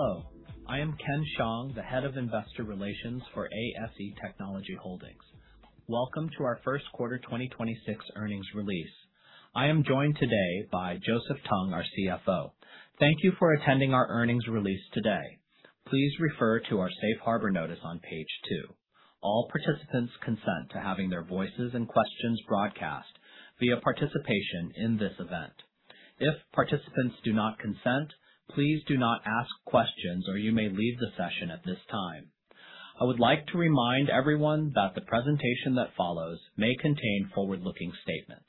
Hello, I am Kenneth Hsiang, the Head of Investor Relations for ASE Technology Holding. Welcome to our Q1 2026 earnings release. I am joined today by Joseph Tung, our CFO. Thank you for attending our earnings release today. Please refer to our safe harbor notice on page two. All participants consent to having their voices and questions broadcast via participation in this event. If participants do not consent, please do not ask questions or you may leave the session at this time. I would like to remind everyone that the presentation that follows may contain forward-looking statements.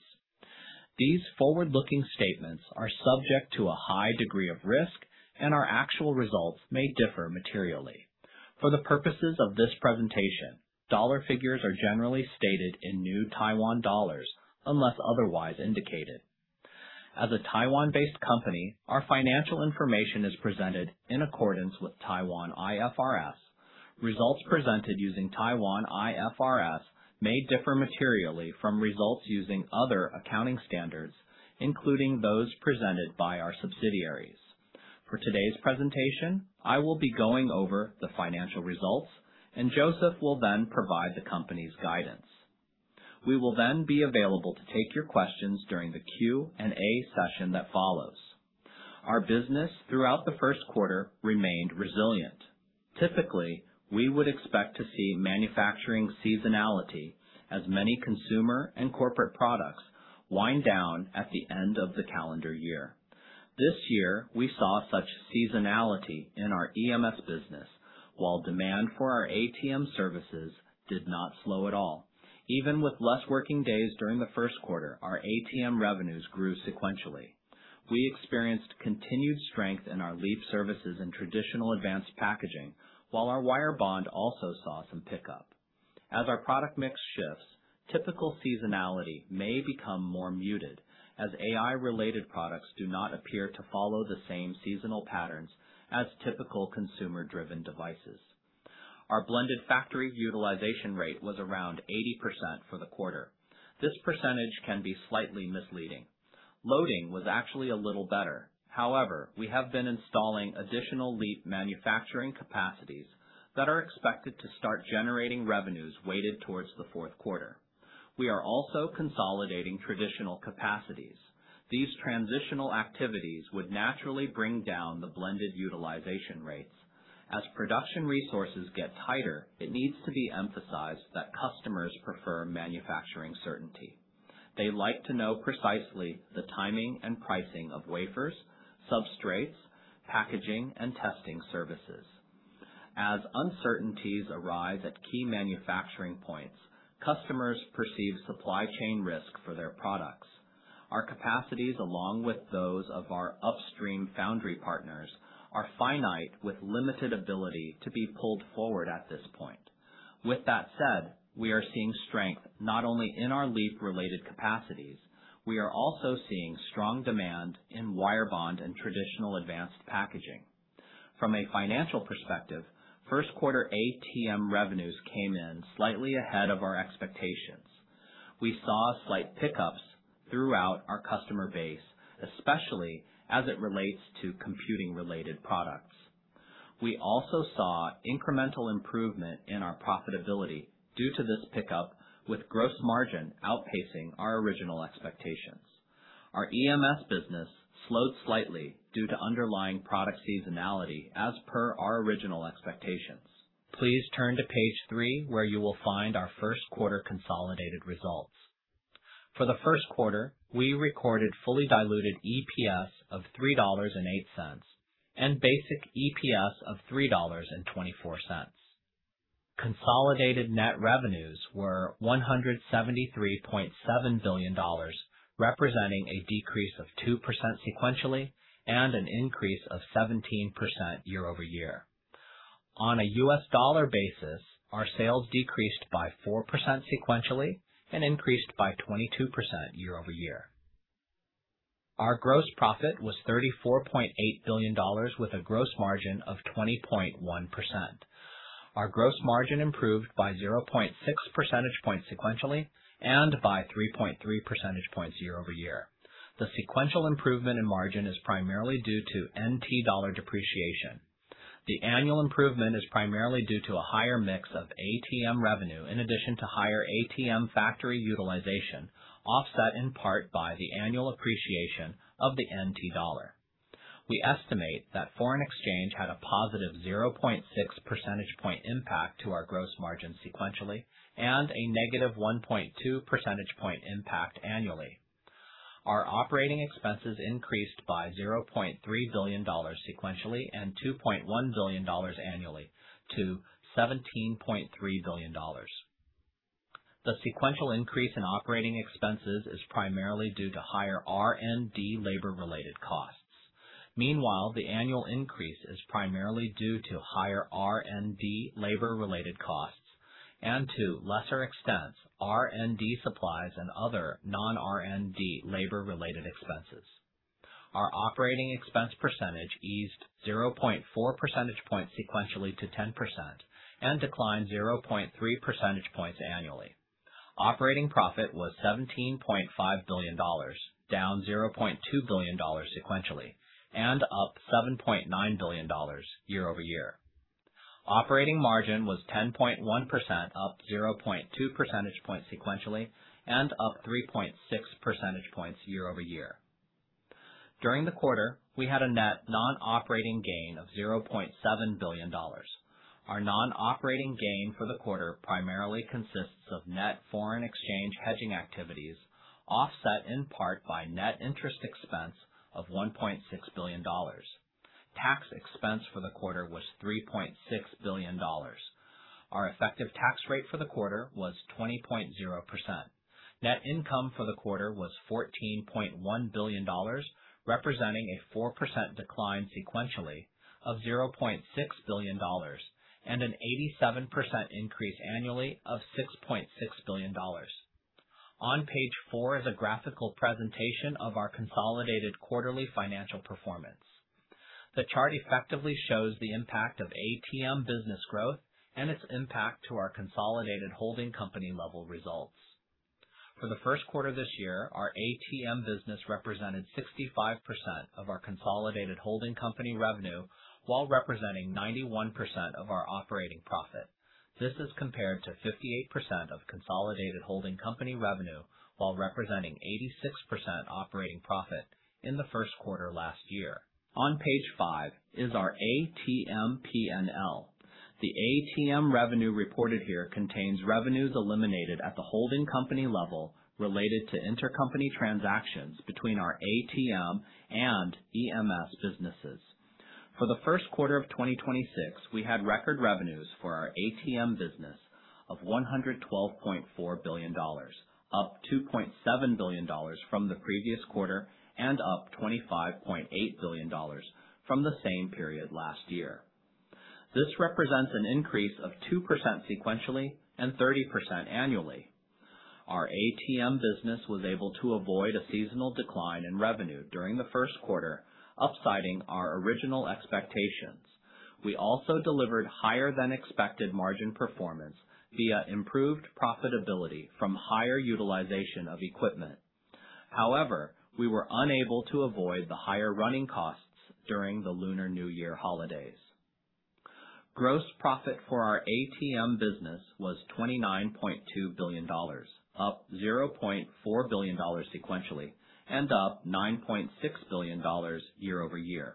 These forward-looking statements are subject to a high degree of risk and our actual results may differ materially. For the purposes of this presentation, dollar figures are generally stated in New Taiwan dollars, unless otherwise indicated. As a Taiwan-based company, our financial information is presented in accordance with Taiwan-IFRSs. Results presented using Taiwan-IFRSs may differ materially from results using other accounting standards, including those presented by our subsidiaries. For today's presentation, I will be going over the financial results and Joseph will then provide the company's guidance. We will then be available to take your questions during the Q&A session that follows. Our business throughout the Q1 remained resilient. Typically, we would expect to see manufacturing seasonality as many consumer and corporate products wind down at the end of the calendar year. This year, we saw such seasonality in our EMS business while demand for our ATM services did not slow at all. Even with less working days during the Q1, our ATM revenues grew sequentially. We experienced continued strength in our LEAP services in traditional advanced packaging, while our wire bond also saw some pickup. As our product mix shifts, typical seasonality may become more muted as AI-related products do not appear to follow the same seasonal patterns as typical consumer-driven devices. Our blended factory utilization rate was around 80% for the quarter. This percentage can be slightly misleading. Loading was actually a little better. However, we have been installing additional LEAP manufacturing capacities that are expected to start generating revenues weighted towards the Q4. We are also consolidating traditional capacities. These transitional activities would naturally bring down the blended utilization rates. As production resources get tighter, it needs to be emphasized that customers prefer manufacturing certainty. They like to know precisely the timing and pricing of wafers, substrates, packaging, and testing services. As uncertainties arise at key manufacturing points, customers perceive supply chain risk for their products. Our capacities, along with those of our upstream foundry partners, are finite with limited ability to be pulled forward at this point. With that said, we are seeing strength not only in our LEAP-related capacities, we are also seeing strong demand in wire bond and traditional advanced packaging. From a financial perspective, Q1 ATM revenues came in slightly ahead of our expectations. We saw slight pickups throughout our customer base, especially as it relates to computing-related products. We also saw incremental improvement in our profitability due to this pickup, with gross margin outpacing our original expectations. Our EMS business slowed slightly due to underlying product seasonality as per our original expectations. Please turn to page three where you will find our Q1 consolidated results. For the Q1, we recorded fully diluted EPS of 3.08 dollars and basic EPS of 3.24 dollars. Consolidated net revenues were 173.7 billion dollars, representing a decrease of 2% sequentially and an increase of 17% year-over-year. On a U.S. dollar basis, our sales decreased by 4% sequentially and increased by 22% year-over-year. Our gross profit was 34.8 billion dollars with a gross margin of 20.1%. Our gross margin improved by 0.6 percentage points sequentially and by 3.3 percentage points year-over-year. The sequential improvement in margin is primarily due to NT dollar depreciation. The annual improvement is primarily due to a higher mix of ATM revenue in addition to higher ATM factory utilization, offset in part by the annual appreciation of the NT dollar. We estimate that foreign exchange had a positive 0.6 percentage point impact to our gross margin sequentially and a negative 1.2 percentage point impact annually. Our operating expenses increased by 0.3 billion dollars sequentially and 2.1 billion dollars annually to 17.3 billion dollars. The sequential increase in operating expenses is primarily due to higher R&D labor-related costs. Meanwhile, the annual increase is primarily due to higher R&D labor-related costs and to lesser extents, R&D supplies and other non-R&D labor-related expenses. Our operating expense percentage eased 0.4 percentage points sequentially to 10% and declined 0.3 percentage points annually. Operating profit was 17.5 billion dollars, down 0.2 billion dollars sequentially, and up 7.9 billion dollars year-over-year. Operating margin was 10.1%, up 0.2 percentage points sequentially and up 3.6 percentage points year-over-year. During the quarter, we had a net non-operating gain of 0.7 billion dollars. Our non-operating gain for the quarter primarily consists of net foreign exchange hedging activities, offset in part by net interest expense of 1.6 billion dollars. Tax expense for the quarter was 3.6 billion dollars. Our effective tax rate for the quarter was 20.0%. Net income for the quarter was 14.1 billion dollars, representing a 4% decline sequentially of 0.6 billion dollars, and an 87% increase annually of 6.6 billion dollars. On page four is a graphical presentation of our consolidated quarterly financial performance. The chart effectively shows the impact of ATM business growth and its impact to our consolidated holding company level results. For the Q1 this year, our ATM business represented 65% of our consolidated holding company revenue while representing 91% of our operating profit. This is compared to 58% of consolidated holding company revenue while representing 86% operating profit in the Q1 last year. On page five is our ATM P&L. The ATM revenue reported here contains revenues eliminated at the holding company level related to intercompany transactions between our ATM and EMS businesses. For the Q1 of 2026, we had record revenues for our ATM business of 112.4 billion dollars, up 2.7 billion dollars from the previous quarter and up 25.8 billion dollars from the same period last year. This represents an increase of 2% sequentially and 30% annually. Our ATM business was able to avoid a seasonal decline in revenue during the Q1, up siding our original expectations. We also delivered higher than expected margin performance via improved profitability from higher utilization of equipment. However, we were unable to avoid the higher running costs during the Lunar New Year holidays. Gross profit for our ATM business was 29.2 billion dollars, up 0.4 billion dollars sequentially and up 9.6 billion dollars year-over-year.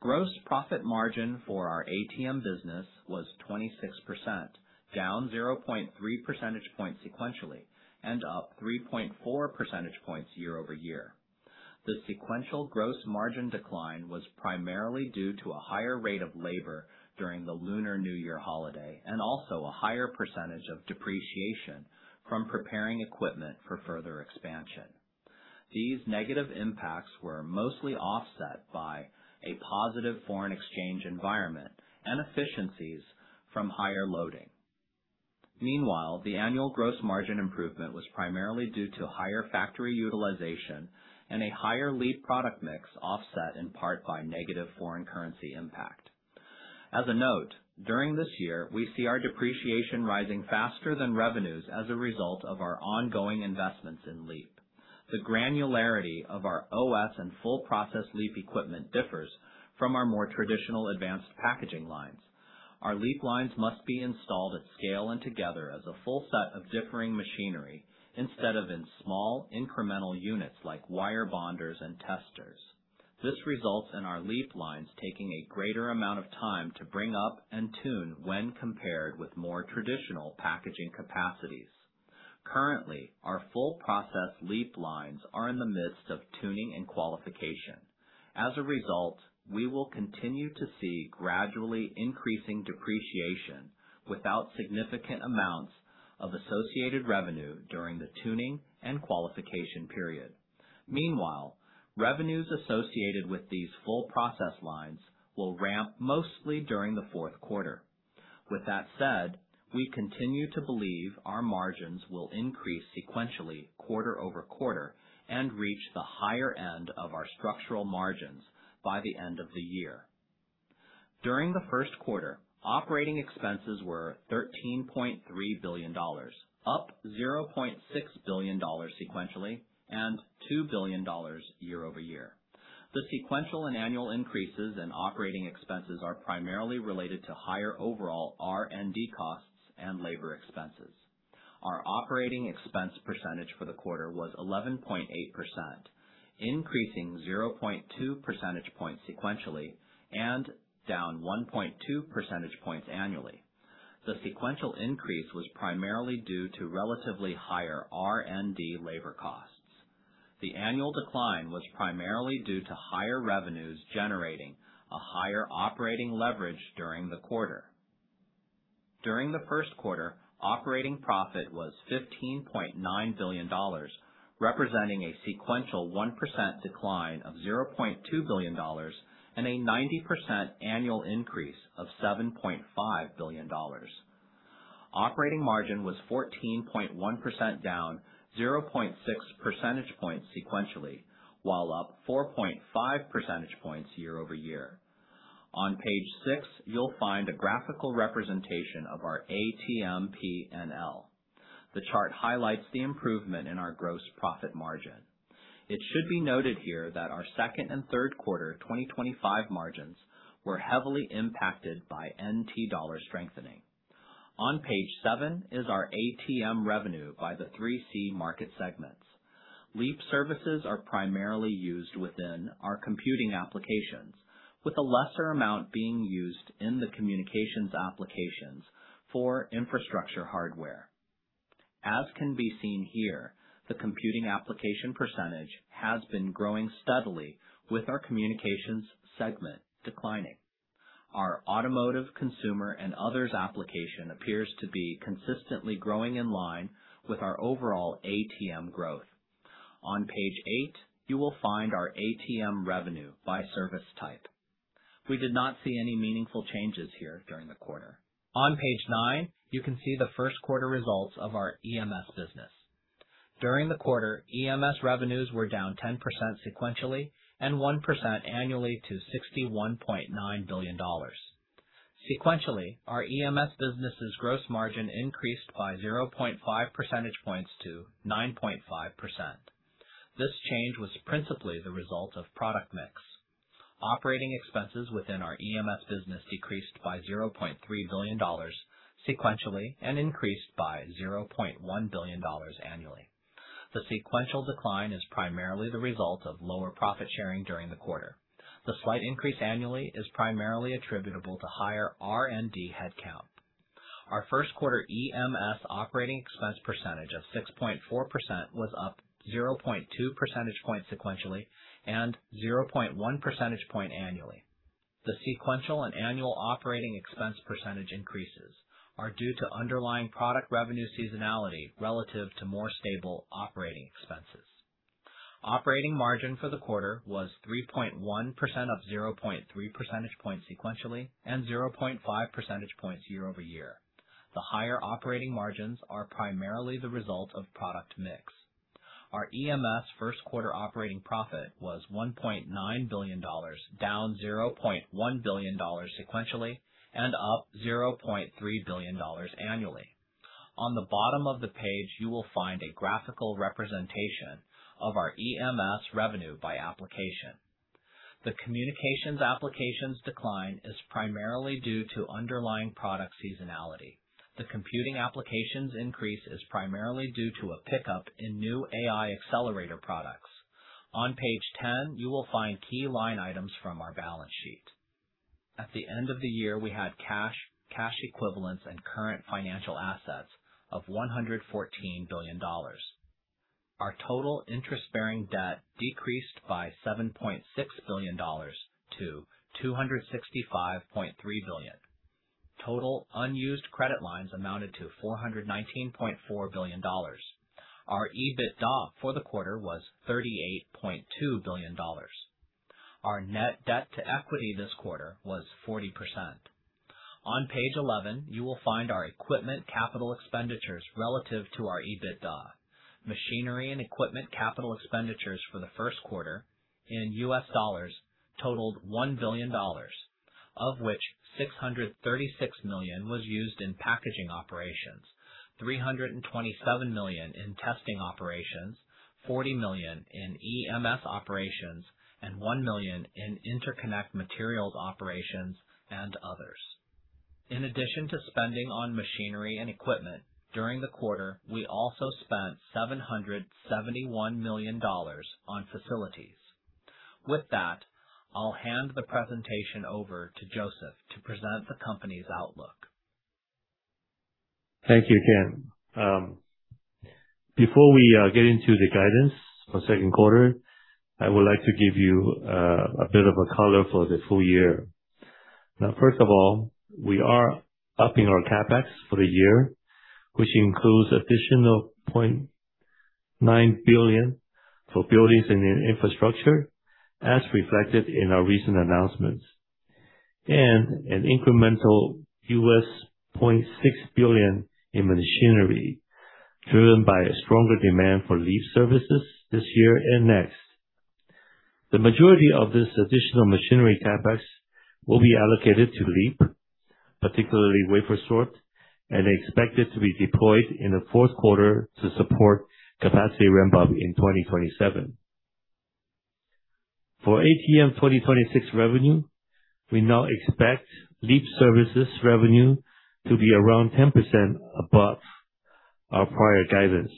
Gross profit margin for our ATM business was 26%, down 0.3 percentage points sequentially and up 3.4 percentage points year-over-year. The sequential gross margin decline was primarily due to a higher rate of labor during the Lunar New Year holiday, and also a higher percentage of depreciation from preparing equipment for further expansion. These negative impacts were mostly offset by a positive foreign exchange environment and efficiencies from higher loading. Meanwhile, the annual gross margin improvement was primarily due to higher factory utilization and a higher LEAP product mix, offset in part by negative foreign currency impact. As a note, during this year, we see our depreciation rising faster than revenues as a result of our ongoing investments in LEAP. The granularity of our OS and full process LEAP equipment differs from our more traditional advanced packaging lines. Our LEAP lines must be installed at scale and together as a full set of differing machinery instead of in small incremental units like wire bonders and testers. This results in our LEAP lines taking a greater amount of time to bring up and tune when compared with more traditional packaging capacities. Currently, our full process LEAP lines are in the midst of tuning and qualification. As a result, we will continue to see gradually increasing depreciation without significant amounts of associated revenue during the tuning and qualification period. Meanwhile, revenues associated with these full process lines will ramp mostly during the Q4. With that said, we continue to believe our margins will increase sequentially quarter-over-quarter and reach the higher end of our structural margins by the end of the year. During the Q1, operating expenses were 13.3 billion dollars, up 0.6 billion dollars sequentially and 2 billion dollars year-over-year. The sequential and annual increases in operating expenses are primarily related to higher overall R&D costs and labor expenses. Our operating expense percentage for the quarter was 11.8%, increasing 0.2 percentage points sequentially and down 1.2 percentage points annually. The sequential increase was primarily due to relatively higher R&D labor costs. The annual decline was primarily due to higher revenues generating a higher operating leverage during the quarter. During the Q1, operating profit was 15.9 billion dollars, representing a sequential 1% decline of 0.2 billion dollars and a 90% annual increase of 7.5 billion dollars. Operating margin was 14.1%, down 0.6 percentage points sequentially, while up 4.5 percentage points year-over-year. On page six, you'll find a graphical representation of our ATM P&L. The chart highlights the improvement in our gross profit margin. It should be noted here that our Q2 and Q3 2025 margins were heavily impacted by NT dollar strengthening. On page seven is our ATM revenue by the 3C market segments. LEAP services are primarily used within our computing applications, with a lesser amount being used in the communications applications for infrastructure hardware. As can be seen here, the computing application percentage has been growing steadily with our communications segment declining. Our automotive consumer and others application appears to be consistently growing in line with our overall ATM growth. On page eight, you will find our ATM revenue by service type. We did not see any meaningful changes here during the quarter. On page nine, you can see the Q1 results of our EMS business. During the quarter, EMS revenues were down 10% sequentially and 1% annually to 61.9 billion dollars. Sequentially, our EMS business' gross margin increased by 0.5 percentage points to 9.5%. This change was principally the result of product mix. Operating expenses within our EMS business decreased by 0.3 billion dollars sequentially and increased by 0.1 billion dollars annually. The sequential decline is primarily the result of lower profit sharing during the quarter. The slight increase annually is primarily attributable to higher R&D headcount. Our Q1 EMS operating expense percentage of 6.4% was up 0.2 percentage points sequentially and 0.1 percentage point annually. The sequential and annual operating expense percentage increases are due to underlying product revenue seasonality relative to more stable operating expenses. Operating margin for the quarter was 3.1%, up 0.3 percentage points sequentially and 0.5 percentage points year-over-year. The higher operating margins are primarily the result of product mix. Our EMS Q1 operating profit was 1.9 billion dollars, down 0.1 billion dollars sequentially and up 0.3 billion dollars annually. On the bottom of the page, you will find a graphical representation of our EMS revenue by application. The communications applications decline is primarily due to underlying product seasonality. The computing applications increase is primarily due to a pickup in new AI accelerator products. On page 10, you will find key line items from our balance sheet. At the end of the year, we had cash equivalents and current financial assets of 114 billion dollars. Our total interest-bearing debt decreased by 7.6 billion dollars to 265.3 billion. Total unused credit lines amounted to 419.4 billion dollars. Our EBITDA for the quarter was 38.2 billion dollars. Our net debt to equity this quarter was 40%. On page 11, you will find our equipment capital expenditures relative to our EBITDA. Machinery and equipment capital expenditures for the Q1 in U.S. dollars totaled $1 billion, of which $636 million was used in packaging operations, $327 million in testing operations, $40 million in EMS operations, and $1 million in interconnect materials operations and others. In addition to spending on machinery and equipment, during the quarter, we also spent 771 million dollars on facilities. With that, I'll hand the presentation over to Joseph to present the company's outlook. Thank you, Ken. Before we get into the guidance for Q2, I would like to give you a bit of a color for the full year. First of all, we are upping our CapEx for the year, which includes additional 0.9 billion for buildings and infrastructure, as reflected in our recent announcements, and an incremental $0.6 billion in machinery, driven by a stronger demand for LEAP services this year and next. The majority of this additional machinery CapEx will be allocated to LEAP, particularly wafer sort, and expected to be deployed in the Q4 to support capacity ramp up in 2027. For ATM 2026 revenue, we now expect LEAP services revenue to be around 10% above our prior guidance,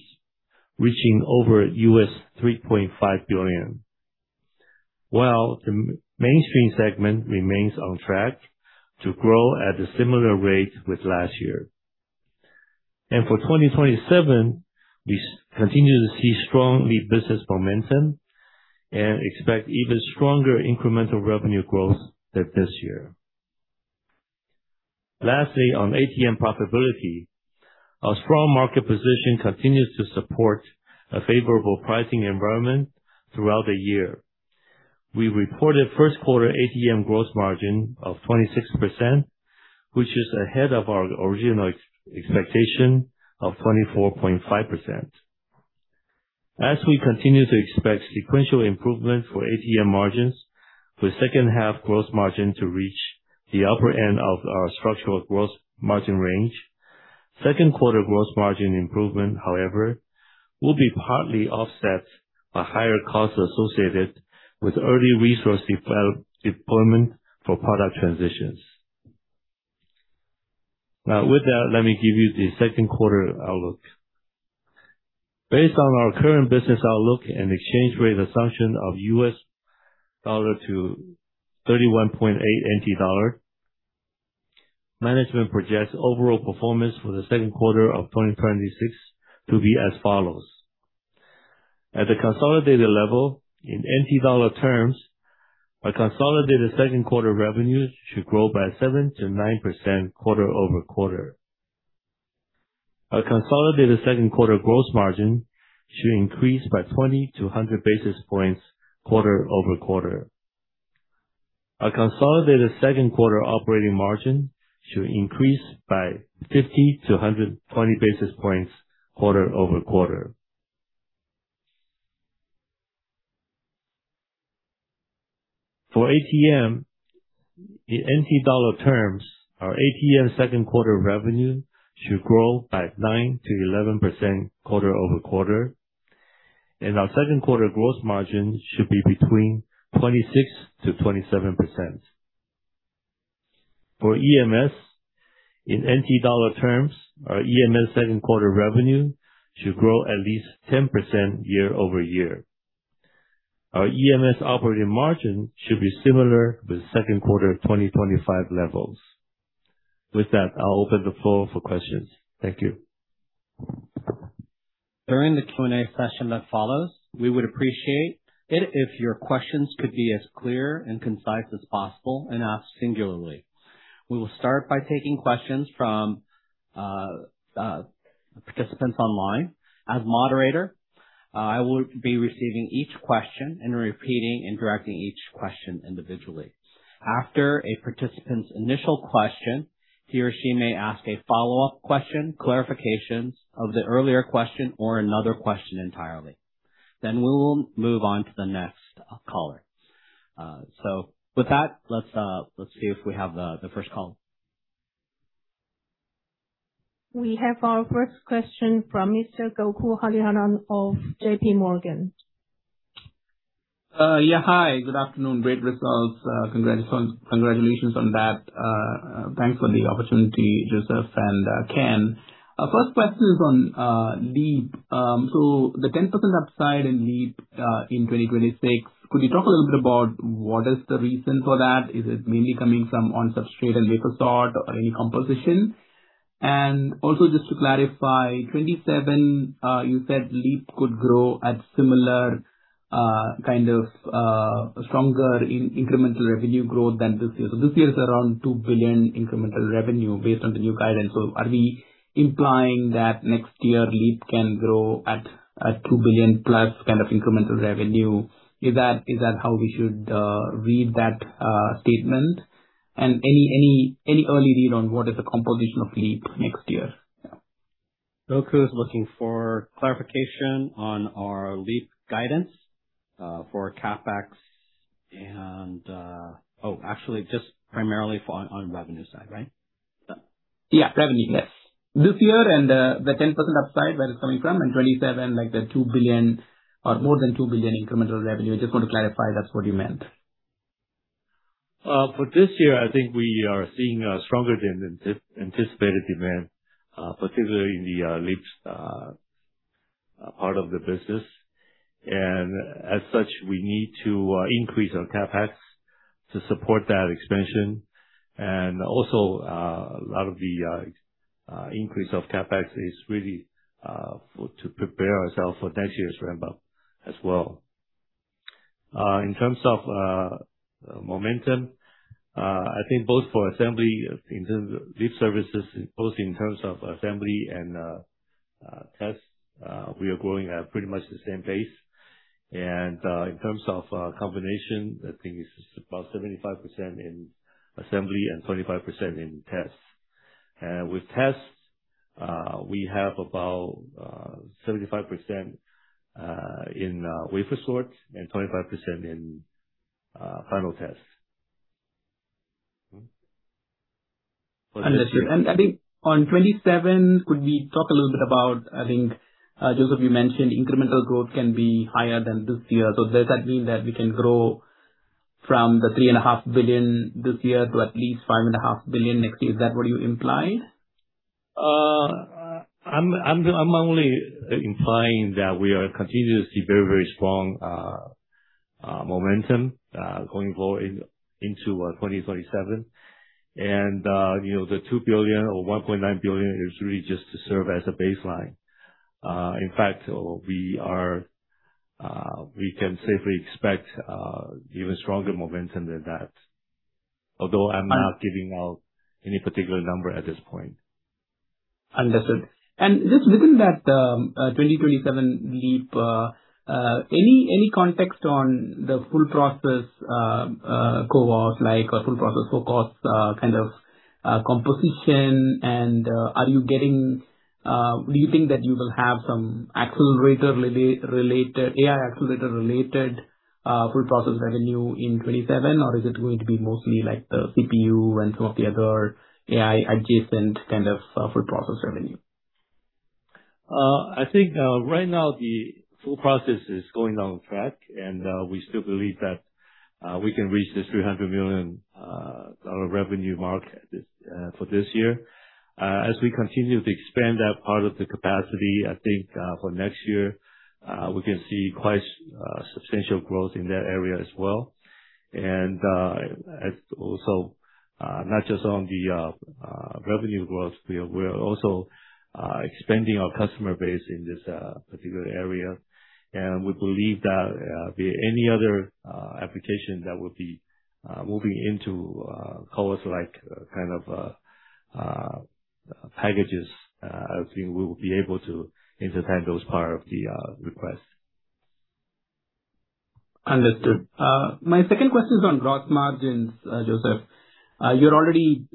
reaching over $3.5 billion, while the mainstream segment remains on track to grow at a similar rate with last year. For 2027, we continue to see strong LEAP business momentum and expect even stronger incremental revenue growth than this year. On ATM profitability, our strong market position continues to support a favorable pricing environment throughout the year. We reported Q1 ATM gross margin of 26%, which is ahead of our original expectation of 24.5%. As we continue to expect sequential improvement for ATM margins with second half gross margin to reach the upper end of our structural gross margin range. Q2 gross margin improvement, however, will be partly offset by higher costs associated with early resource deployment for product transitions. Now, with that, let me give you the Q2 outlook. Based on our current business outlook and exchange rate assumption of U.S. dollar to 31.8 NT dollar, management projects overall performance for the Q2 of 2026 to be as follows. At the consolidated level, in NT dollar terms, our consolidated Q2 revenues should grow by 7%-9% quarter-over-quarter. Our consolidated Q2 gross margin should increase by 20-100 basis points quarter-over-quarter. Our consolidated Q2 operating margin should increase by 50-120 basis points quarter-over-quarter. For ATM, in NT dollar terms, our ATM Q2 revenue should grow by 9%-11% quarter-over-quarter, and our Q2 gross margin should be between 26% to 27%. For EMS, in NT dollar terms, our EMS Q2 revenue should grow at least 10% year-over-year. Our EMS operating margin should be similar with Q2 of 2025 levels. With that, I'll open the floor for questions. Thank you. During the Q&A session that follows, we would appreciate it if your questions could be as clear and concise as possible and asked singularly. We will start by taking questions from participants online. As moderator, I will be receiving each question and repeating and directing each question individually. After a participant's initial question, he or she may ask a follow-up question, clarifications of the earlier question or another question entirely. We will move on to the next caller. With that, let's see if we have the first caller. We have our first question from Mr. Gokul Hariharan of JPMorgan. Hi, good afternoon. Great results. Congratulations on that. Thanks for the opportunity, Joseph and Ken. Our first question is on LEAP. The 10% upside in LEAP in 2026, could you talk a little bit about what is the reason for that? Is it mainly coming from on substrate and wafer sort or any composition? Also, just to clarify, 2027, you said LEAP could grow at similar kind of stronger incremental revenue growth than this year. This year is around 2 billion incremental revenue based on the new guidance. Are we implying that next year LEAP can grow at 2 billion-plus kind of incremental revenue? Is that how we should read that statement? Any early read on what is the composition of LEAP next year? Gokul is looking for clarification on our LEAP guidance for CapEx. Oh, actually, just primarily for on revenue side, right? Yeah. Revenue. Yes This year and the 10% upside, where it's coming from, and 2027, like the 2 billion or more than 2 billion incremental revenue. Just want to clarify that's what you meant? For this year, I think we are seeing a stronger than anticipated demand, particularly in the LEAP's part of the business. As such, we need to increase our CapEx to support that expansion. Also, a lot of the increase of CapEx is really to prepare ourselves for next year's ramp up as well. In terms of momentum, I think both for assembly in terms of LEAP services, both in terms of assembly and tests, we are growing at pretty much the same pace. In terms of combination, I think it's about 75% in assembly and 25% in tests. With tests, we have about 75% in wafer sort and 25% in final tests. Understood. I think on 2027, could we talk a little bit about. I think, Joseph, you mentioned incremental growth can be higher than this year. Does that mean that we can grow from the 3.5 billion this year to at least 5.5 billion next year? Is that what you implied? I'm only implying that we are continuously very, very strong momentum going forward into 2027. You know, the 2 billion or 1.9 billion is really just to serve as a baseline. In fact, we are, we can safely expect even stronger momentum than that. Although I'm not giving out any particular number at this point. Understood. Just within that, 2027 LEAP, any context on the full process cost, like a full process full cost kind of composition and do you think that you will have some accelerator related AI accelerator related full process revenue in 2027? Is it going to be mostly like the CPU and some of the other AI adjacent kind of full process revenue? I think right now the full process is going on track, and we still believe that we can reach this 300 million dollar revenue mark this for this year. As we continue to expand that part of the capacity, I think for next year, we can see quite substantial growth in that area as well. As also not just on the revenue growth field, we are also expanding our customer base in this particular area. We believe that be it any other application that would be moving into CoWoS like kind of packages, I think we will be able to entertain those part of the request. Understood. My second question is on gross margins, Joseph. You're already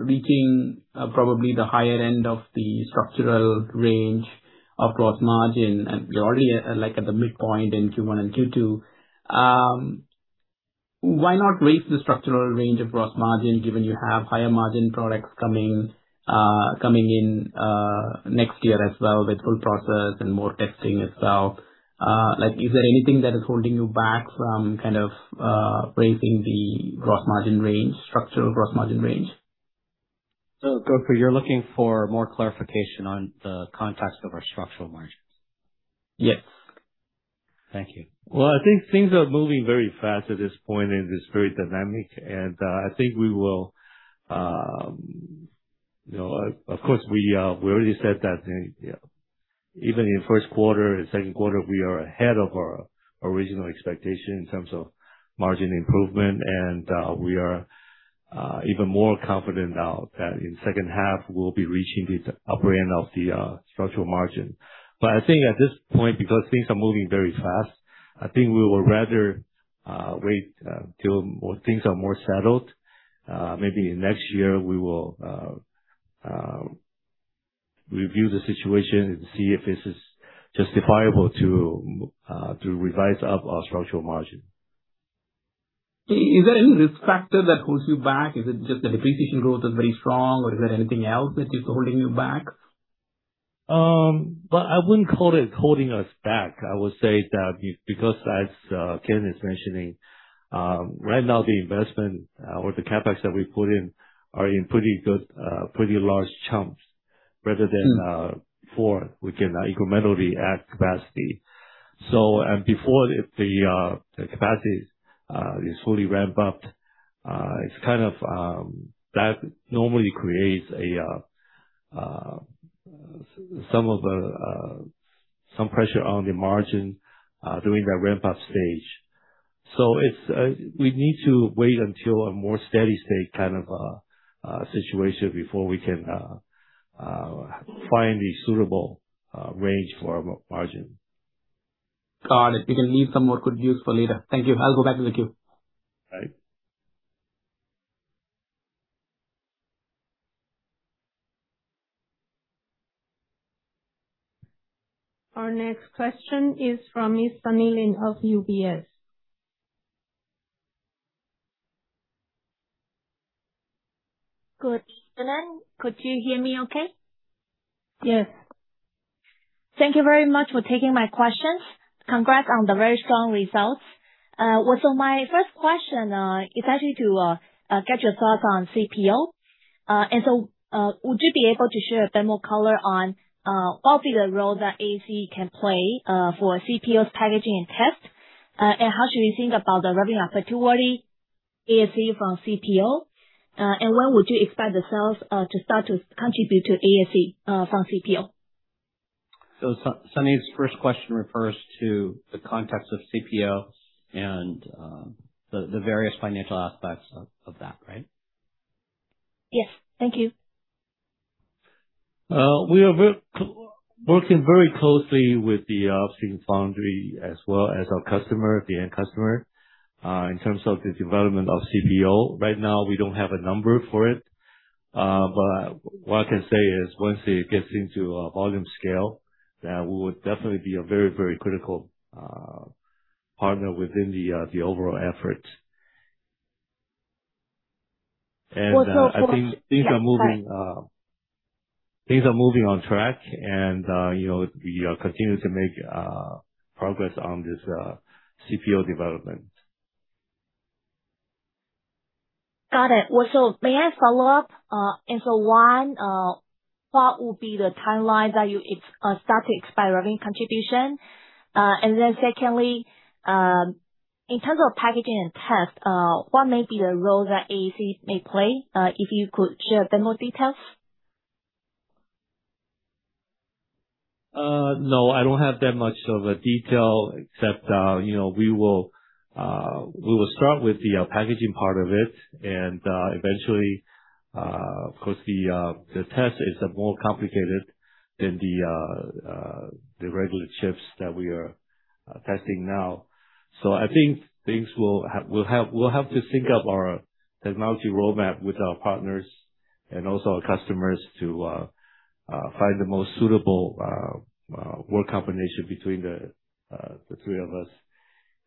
reaching probably the higher end of the structural range of gross margin, and you're already, like, at the midpoint in Q1 and Q2. Why not raise the structural range of gross margin given you have higher margin products coming in next year as well, with full process and more testing as well? Like, is there anything that is holding you back from kind of raising the gross margin range, structural gross margin range? Gokul, you're looking for more clarification on the context of our structural margins? Yes. Thank you. Well, I think things are moving very fast at this point, and it's very dynamic. I think we will You know, of course, we already said that, you know, even in Q1 and Q2, we are ahead of our original expectation in terms of margin improvement. We are even more confident now that in second half we'll be reaching the upper end of the structural margin. I think at this point, because things are moving very fast, I think we will rather wait till things are more settled. Maybe next year we will review the situation and see if this is justifiable to revise up our structural margin. Is there any risk factor that holds you back? Is it just the depreciation growth is very strong, or is there anything else that is holding you back? Well, I wouldn't call it holding us back. I would say that because as Kenneth was mentioning, right now the investment or the CapEx that we put in are in pretty good, pretty large chunks, before we can incrementally add capacity. Before if the capacity is fully ramped up, it's kind of. That normally creates some pressure on the margin during that ramp-up stage. It's. We need to wait until a more steady-state kind of situation before we can find a suitable range for our margin. Got it. We can leave some more good use for later. Thank you. I'll go back to the queue. All right. Our next question is from Miss Sunny Lin of UBS. Good evening. Could you hear me okay? Yes. Thank you very much for taking my questions. Congrats on the very strong results. Well, my first question is actually to get your thoughts on CPO. Would you be able to share a bit more color on what will be the role that ASE can play for CPO's packaging and test? How should we think about the revenue opportunity, ASE from CPO? When would you expect the sales to start to contribute to ASE from CPO? Sunny's first question refers to the context of CPO and the various financial aspects of that, right? Yes. Thank you. We are working very closely with the foundry as well as our customer, the end customer, in terms of the development of CPO. Right now, we don't have a number for it. What I can say is once it gets into a volume scale, that we would definitely be a very critical partner within the overall effort. Well, so. I think things are moving. Yeah. Things are moving on track and, you know, we are continuing to make progress on this CPO development. Got it. May I follow up? One, what will be the timeline that you start to expect revenue contribution? Secondly, in terms of packaging and test, what may be the role that ASE may play, if you could share a bit more details? No, I don't have that much of a detail except, you know, we will start with the packaging part of it and eventually, of course the test is more complicated than the regular chips that we are testing now. I think things we'll have to sync up our technology roadmap with our partners and also our customers to find the most suitable work combination between the three of us.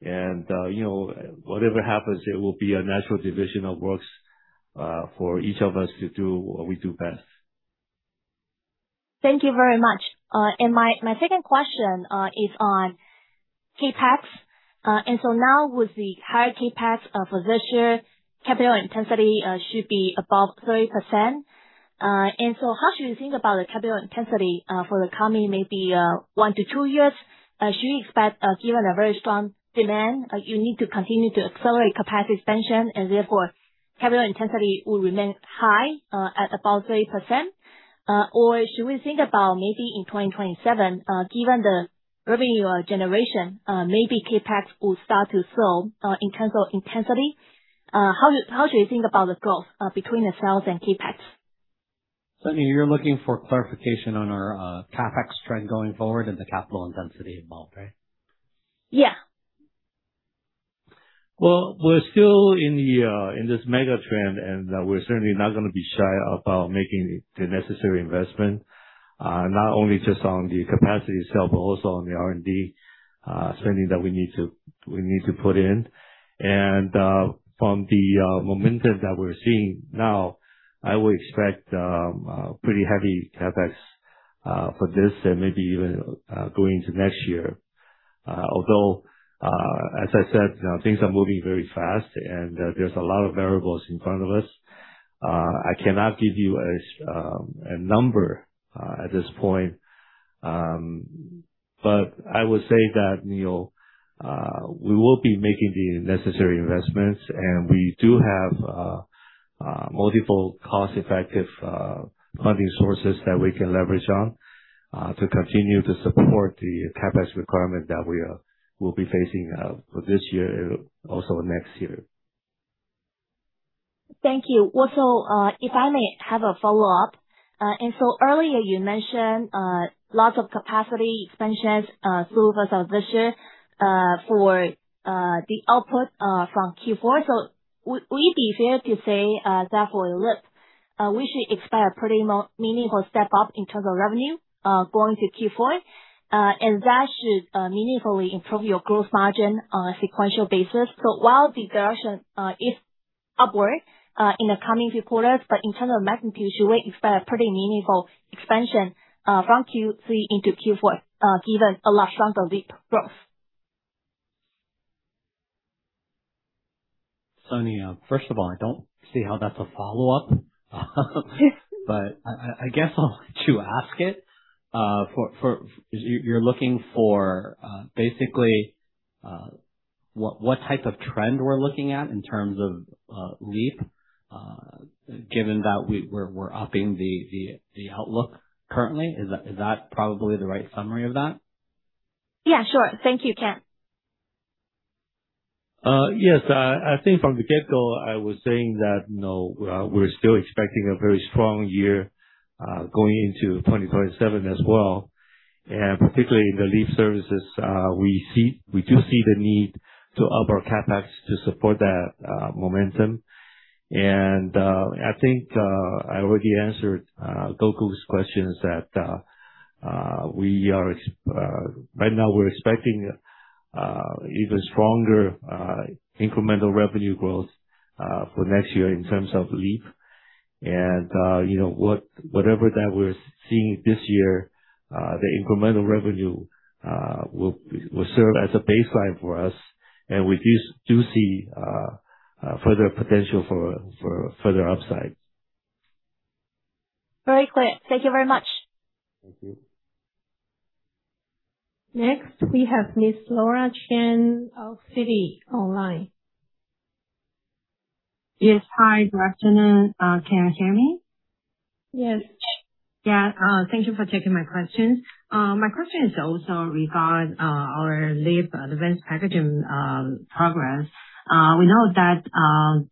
You know, whatever happens, it will be a natural division of works for each of us to do what we do best. Thank you very much. My second question is on CapEx. Now with the higher CapEx for this year, capital intensity should be above 30%. How should you think about the capital intensity for the coming maybe one to two years? Should we expect, given a very strong demand, you need to continue to accelerate capacity expansion and therefore capital intensity will remain high at about 3%? Should we think about maybe in 2027, given the revenue generation, maybe CapEx will start to slow in terms of intensity? How do you think about the growth between the sales and CapEx? Sunny, you're looking for clarification on our CapEx trend going forward and the capital intensity involved, right? Yeah. Well, we're still in this mega trend, and we're certainly not gonna be shy about making the necessary investment. Not only just on the capacity itself, but also on the R&D spending that we need to put in. From the momentum that we're seeing now, I would expect pretty heavy CapEx for this and maybe even going into next year. Although, as I said, things are moving very fast and there's a lot of variables in front of us. I cannot give you a number at this point. I would say that, you know, we will be making the necessary investments, and we do have multiple cost-effective funding sources that we can leverage on to continue to support the CapEx requirement that we'll be facing for this year, also next year. Thank you. Also, if I may have a follow-up. Earlier you mentioned lots of capacity expansions through rest of this year for the output from Q4. Will it be fair to say that for LEAP, we should expect a pretty meaningful step up in terms of revenue going to Q4? That should meaningfully improve your gross margin on a sequential basis. While the direction is upward in the coming few quarters, but in terms of magnitude, should we expect a pretty meaningful expansion from Q3 into Q4 given a large chunk of LEAP growth? Sunny, first of all, I don't see how that's a follow-up. I guess I'll let you ask it. You're looking for basically what type of trend we're looking at in terms of LEAP, given that we're upping the outlook currently. Is that probably the right summary of that? Yeah, sure. Thank you, Ken. Yes. I think from the get-go, I was saying that, you know, we're still expecting a very strong year, going into 2027 as well. Particularly in the LEAP services, we do see the need to up our CapEx to support that momentum. I think I already answered Gokul's questions that right now we're expecting even stronger incremental revenue growth for next year in terms of LEAP. You know, whatever that we're seeing this year, the incremental revenue will serve as a baseline for us. We do see further potential for further upside. Very clear. Thank you very much. Thank you. Next we have Miss Laura Chen of Citi online. Yes. Hi. Good afternoon. Can you hear me? Yes. Yeah. Thank you for taking my questions. My question is also regarding our LEAP advanced packaging progress. We know that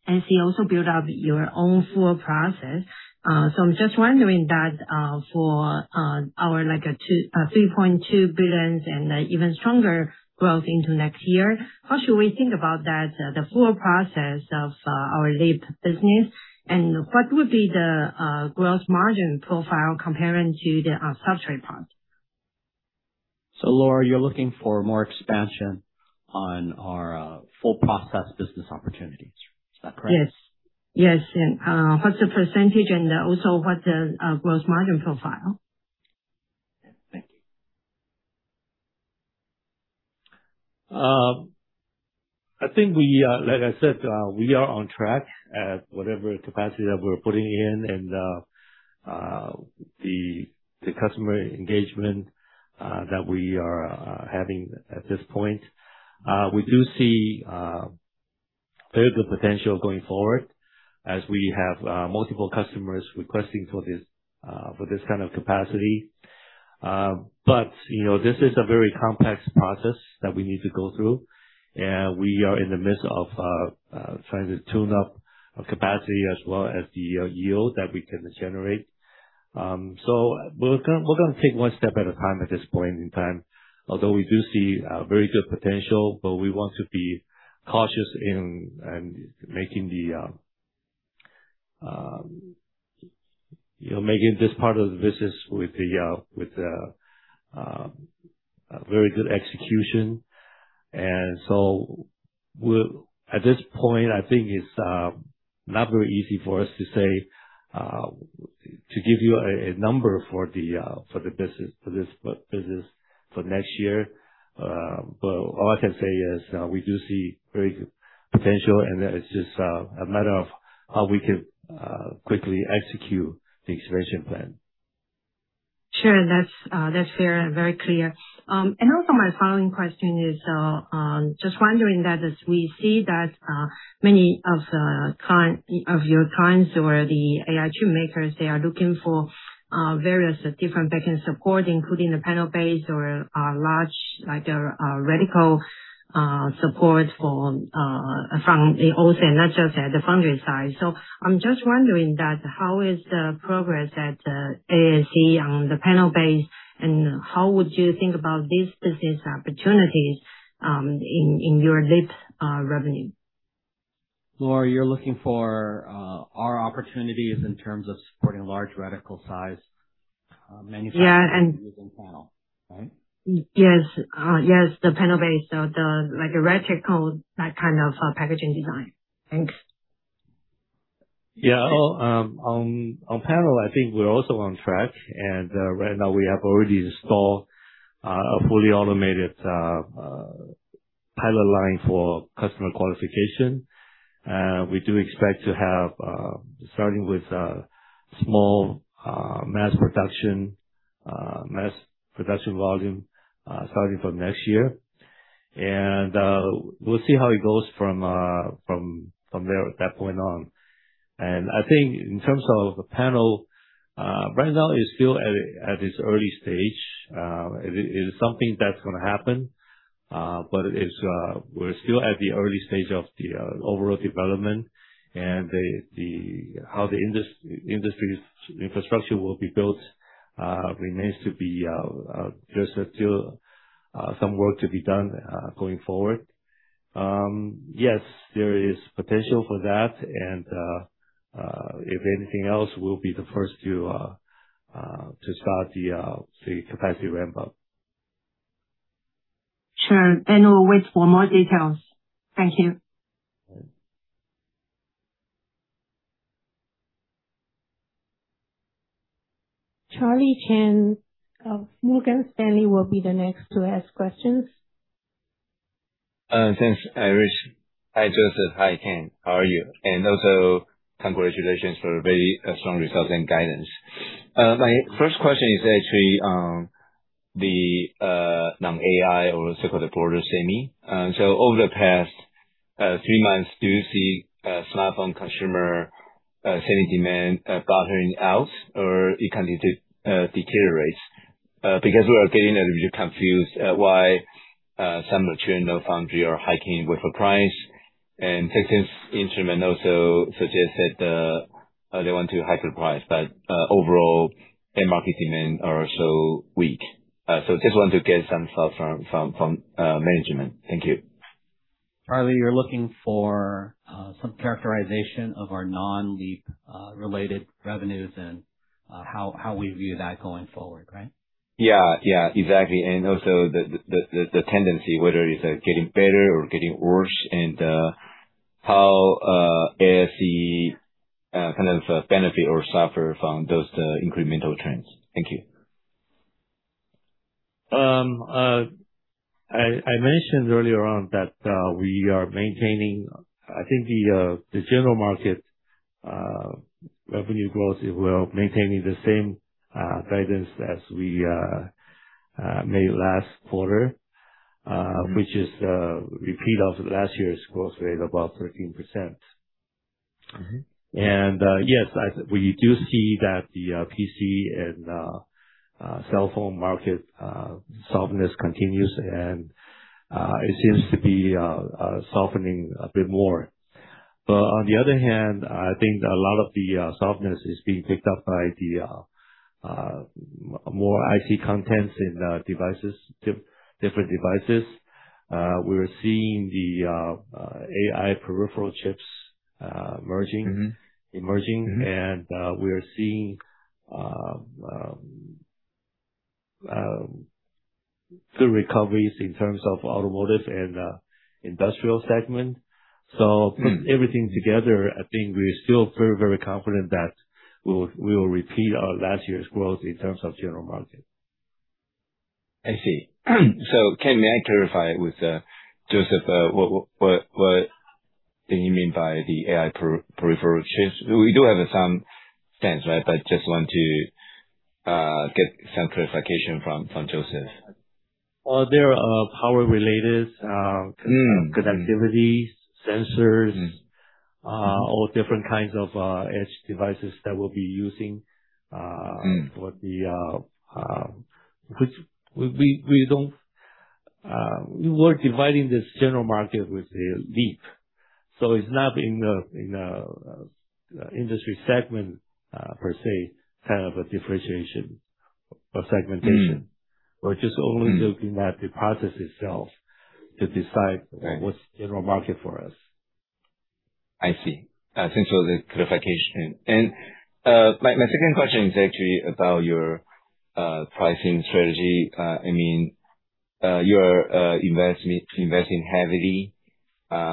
NC also built up your own full process. I'm just wondering that for our like a 3.2 billion and even stronger growth into next year, how should we think about that the full process of our LEAP business? What would be the gross margin profile comparing to the substrate part? Laura, you're looking for more expansion on our full process business opportunities. Is that correct? Yes. Yes. What's the percentage and also what the gross margin profile? Yeah. Thank you. I think we, like I said, we are on track at whatever capacity that we're putting in and the customer engagement that we are having at this point. We do see further potential going forward as we have multiple customers requesting for this for this kind of capacity. You know, this is a very complex process that we need to go through, and we are in the midst of trying to tune up our capacity as well as the yield that we can generate. We're gonna take one step at a time at this point in time. We do see very good potential, but we want to be cautious in making this part of the business with a very good execution. At this point, I think it's not very easy for us to say to give you a number for the business, for this business for next year. All I can say is we do see very good potential, and that it's just a matter of how we can quickly execute the expansion plan. Sure. That's fair and very clear. My following question is, just wondering that as we see that many of your clients who are the AI chip makers, they are looking for various different backend support, including the panel-based or large, like, radical support from the OSAT and not just at the foundry side. I am just wondering that how is the progress at ASE on the panel-based, and how would you think about these business opportunities in your LEAP revenue? Laura, you're looking for, our opportunities in terms of supporting large radical size, manufacturing. Yeah, and- -using panel, right? Yes. Yes, the panel-based. The, like, a radical, that kind of, packaging design. Thanks. Well, on panel, I think we're also on track. Right now we have already installed a fully automated pilot line for customer qualification. We do expect to have starting with small mass production volume starting from next year. We'll see how it goes from there at that point on. I think in terms of the panel, right now it's still at its early stage. It is something that's gonna happen, but we're still at the early stage of the overall development and how the industry's infrastructure will be built. There's still some work to be done going forward. Yes, there is potential for that and, if anything else, we'll be the first to start the capacity ramp up. Sure. We'll wait for more details. Thank you. Charlie Chan of Morgan Stanley will be the next to ask questions. Thanks, Iris. Hi, Joseph. Hi, Ken. How are you? Also congratulations for very strong results and guidance. My first question is actually on the non-AI or so-called broader semi. Over the past three months, do you see smartphone consumer semi demand bottoming out or it continue to deteriorates? Because we are getting a little bit confused at why some of the churn of foundry are hiking wafer price. Texas Instruments also suggested they want to hike their price, but overall end market demand are so weak. Just want to get some thoughts from management. Thank you. Charlie, you're looking for some characterization of our non-LEAP related revenues and how we view that going forward, right? Yeah. Yeah. Exactly. Also the tendency, whether it is getting better or getting worse, and how ASE kind of benefit or suffer from those incremental trends. Thank you. I mentioned earlier on that we are maintaining, I think the general market revenue growth is well, maintaining the same guidance as we made last quarter. Mm-hmm Which is, repeat of last year's growth rate, about 13%. Mm-hmm. Yes, we do see that the PC and cell phone market softness continues and it seems to be softening a bit more. On the other hand, I think a lot of the softness is being picked up by the more IT contents in the devices, different devices. We're seeing the AI peripheral chips emerging. Mm-hmm Emerging. Mm-hmm. We are seeing good recoveries in terms of automotive and industrial segment. Mm-hmm Put everything together, I think we're still very, very confident that we will repeat our last year's growth in terms of general market. I see. Ken, may I clarify with Joseph what did he mean by the AI peripheral chips? We do have some sense, right? Just want to get some clarification from Joseph. They are, power related, connectivities, sensors, all different kinds of edge devices that we'll be using for the. Which we were dividing this general market with the LEAP, so it's not in the, in a industry segment per se, kind of a differentiation or segmentation. Mm. We're just only looking at the process itself to decide. Right. What's general market for us? I see. Thanks for the clarification. My second question is actually about your pricing strategy. I mean, your investment, investing heavily,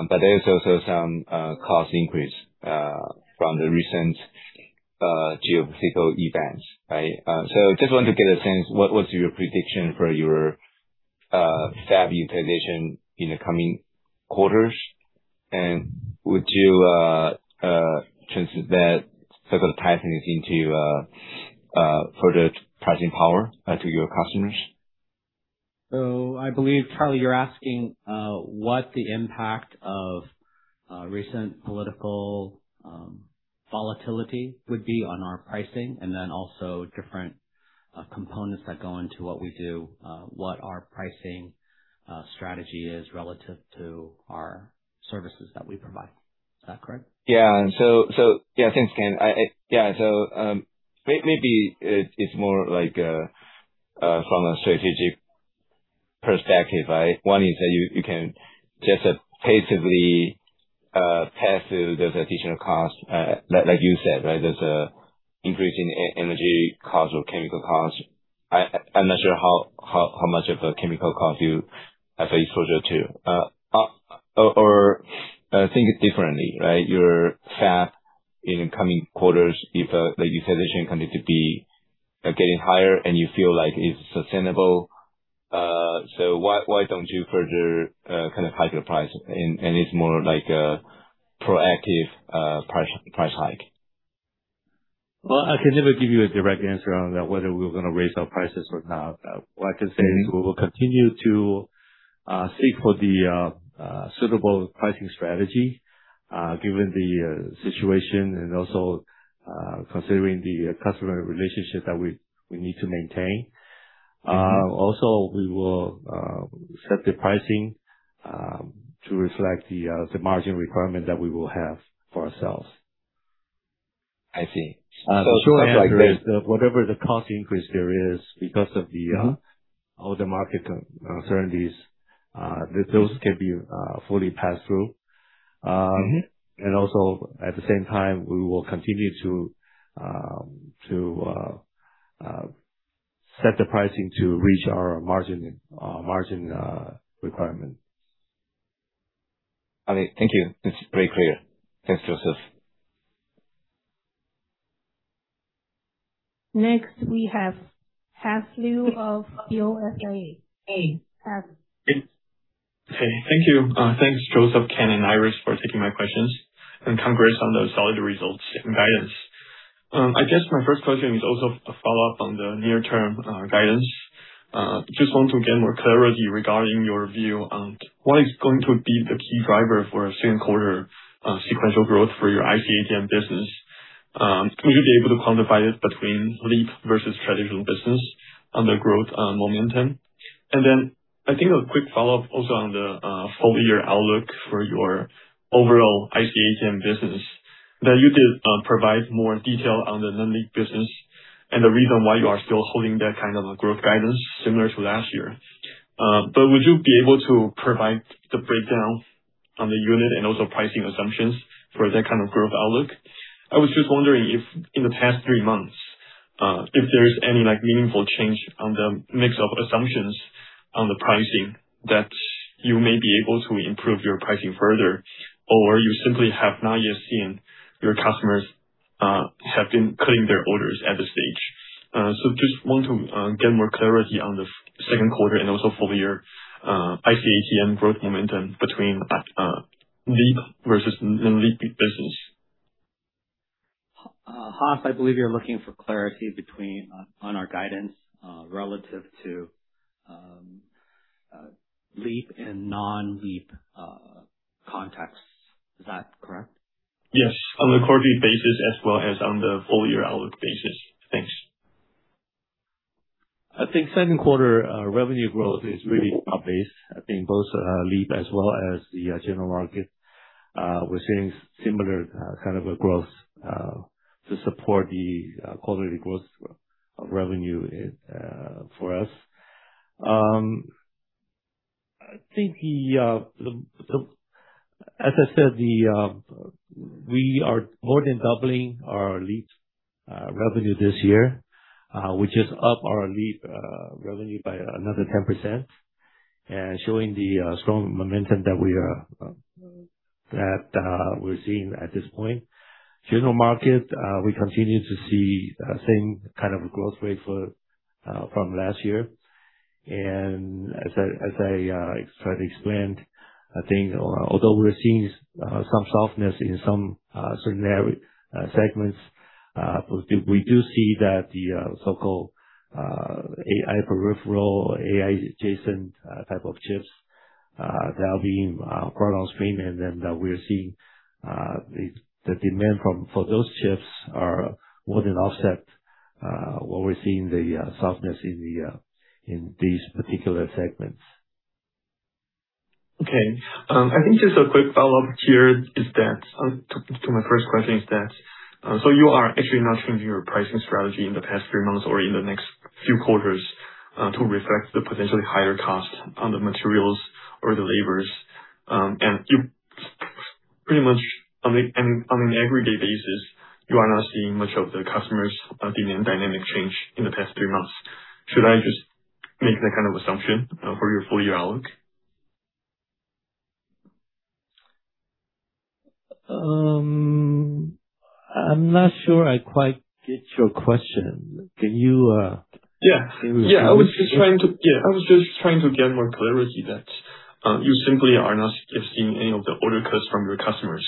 there is also some cost increase from the recent geopolitical events. Right. Just want to get a sense what was your prediction for your fab utilization in the coming quarters, and would you transfer that sort of pricing into further pricing power to your customers? I believe, Charlie, you're asking, what the impact of recent political volatility would be on our pricing and then also different components that go into what we do, what our pricing strategy is relative to our services that we provide. Is that correct? Thanks, Ken. Maybe it's more like from a strategic perspective, right? One is that you can just effectively pass through those additional costs, like you said, right? There's an increase in energy costs or chemical costs. I'm not sure how much of a chemical cost you are exposed to. Or think differently, right? Your fab in coming quarters, if the utilization continues to be getting higher and you feel like it's sustainable, why don't you further kind of hike your price and it's more like a proactive price hike? I can never give you a direct answer on whether we're gonna raise our prices or not. What I can say is we will continue to seek for the suitable pricing strategy given the situation and also considering the customer relationship that we need to maintain. We will set the pricing to reflect the margin requirement that we will have for ourselves. I see. Whatever the cost increase there is because of the all the market uncertainties, those can be fully passed through. Mm-hmm. At the same time, we will continue to set the pricing to reach our margin requirement. I mean, thank you. It's very clear. Thanks, Joseph. We have Haas Liu of BofA. Hey. Hey. Thank you. Thanks, Joseph, Ken, and Iris for taking my questions. Congrats on those solid results and guidance. I guess my first question is also a follow-up on the near-term guidance. Just want to get more clarity regarding your view on what is going to be the key driver for Q2 sequential growth for your IC ATM business. Would you be able to quantify it between LEAP versus traditional business on the growth momentum? I think a quick follow-up also on the full year outlook for your overall IC ATM business. Now, you did provide more detail on the non-LEAP business and the reason why you are still holding that kind of a growth guidance similar to last year. Would you be able to provide the breakdown on the unit and also pricing assumptions for that kind of growth outlook? I was just wondering if in the past three months, if there's any, like, meaningful change on the mix of assumptions on the pricing that you may be able to improve your pricing further, or you simply have not yet seen your customers, have been cutting their orders at this stage. Just want to get more clarity on the Q2 and also full year, IC ATM growth momentum between LEAP versus non-LEAP business. Haas, I believe you're looking for clarity between on our guidance relative to LEAP and non-LEAP contexts. Is that correct? Yes. On the quarterly basis as well as on the full year outlook basis. Thanks. I think Q2 revenue growth is really up base. I think both LEAP as well as the general market, we're seeing similar kind of a growth to support the quarterly growth of revenue for us. I think as I said, we are more than doubling our LEAP revenue this year, which is up our LEAP revenue by another 10% and showing the strong momentum that we're seeing at this point. General market, we continue to see the same kind of growth rate from last year. As I tried to explain, I think although we're seeing some softness in some certain segments, we do see that the so-called AI peripheral, AI adjacent type of chips, that'll be grown on stream and then that we're seeing the demand for those chips are more than offset what we're seeing the softness in these particular segments. Okay. I think just a quick follow-up here is that, to my first question is that, you are actually not changing your pricing strategy in the past three months or in the next few quarters, to reflect the potentially higher cost on the materials or the labors. You pretty much on an everyday basis, you are not seeing much of the customers, demand dynamic change in the past three months. Should I just make that kind of assumption for your full year outlook? I'm not sure I quite get your question. Can you? Yeah. -repeat? I was just trying to get more clarity that you simply are not seeing any of the order cuts from your customers,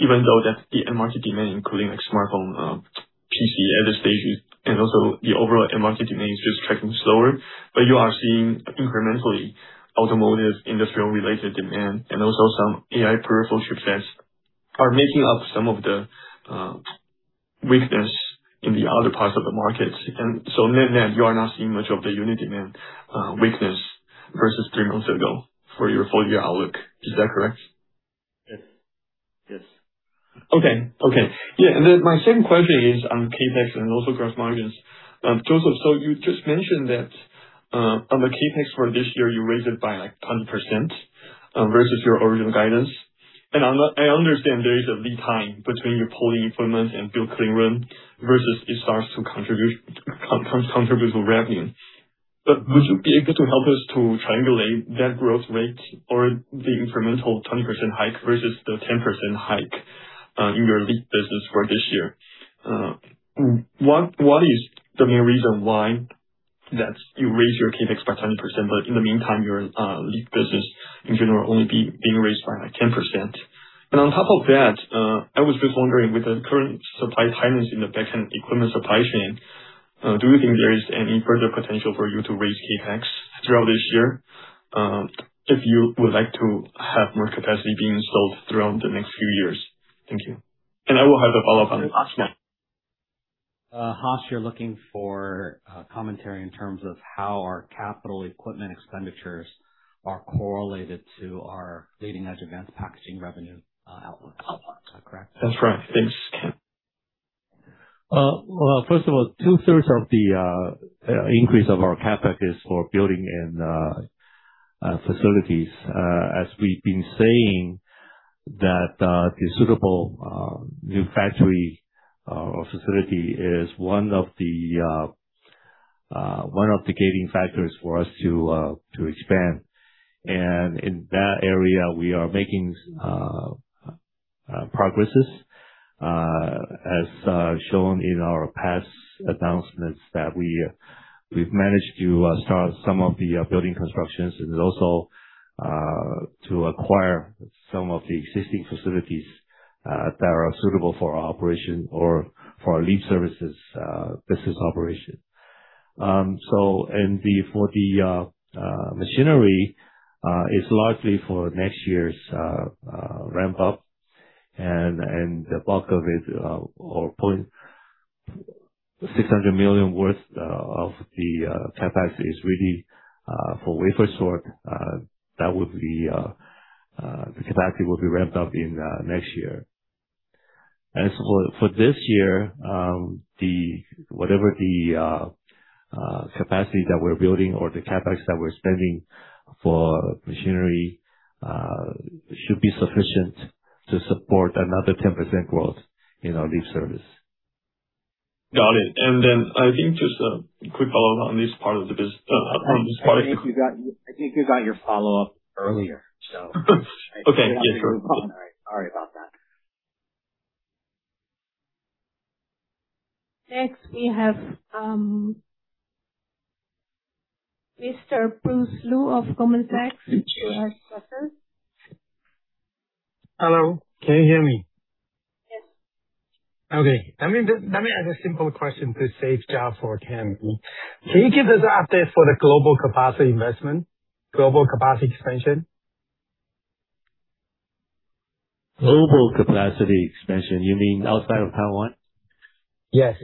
even though that the end market demand, including like smartphone, PC at this stage, and also the overall end market demand is just tracking slower. You are seeing incrementally automotive, industrial related demand and also some AI peripheral chipsets are making up some of the weakness in the other parts of the market. Net-net, you are not seeing much of the unit demand weakness versus three months ago for your full year outlook. Is that correct? Yes. Yes. My second question is on CapEx and also gross margins. Joseph, you just mentioned that on the CapEx for this year, you raised it by like 10% versus your original guidance. I understand there is a lead time between your pulling equipment and build clean room versus it starts to contribute to revenue. Would you be able to help us to triangulate that growth rate or the incremental 10% hike versus the 10% hike in your lead business for this year? What is the main reason why that you raise your CapEx by 10%, but in the meantime, your lead business in general only being raised by like 10%? On top of that, I was just wondering, with the current supply tightness in the back-end equipment supply chain, do you think there is any further potential for you to raise CapEx throughout this year, if you would like to have more capacity being installed throughout the next few years? Thank you. I will have a follow-up. Haas Liu, you're looking for commentary in terms of how our capital equipment expenditures are correlated to our leading-edge advanced packaging revenue, outlook. Is that correct? That's right. Thanks. Well, first of all, 2/3 of the increase of our CapEx is for building and facilities. As we've been saying that, the suitable new factory or facility is one of the gating factors for us to expand. In that area we are making progresses as shown in our past announcements that we've managed to start some of the building constructions and also to acquire some of the existing facilities that are suitable for our operation or for our LEAP services business operation. For the machinery is largely for next year's ramp up, and the bulk of it, or 0.6 million worth of the CapEx, is really for wafer sort. That would be the capacity will be ramped up in next year. As for this year, whatever the capacity that we're building or the CapEx that we're spending for machinery should be sufficient to support another 10% growth in our lead service. Got it. Then I think just a quick follow-up on this part of the. I think you got your follow-up earlier. Okay. Yeah, sure. Sorry about that. Next we have, Mr. Bruce Lu of Goldman Sachs. Hello, can you hear me? Yes. Okay. Let me ask a simple question to save time for everyone. Can you give us an update for the global capacity investment? Global capacity expansion? Global capacity expansion, you mean outside of Taiwan? Yes.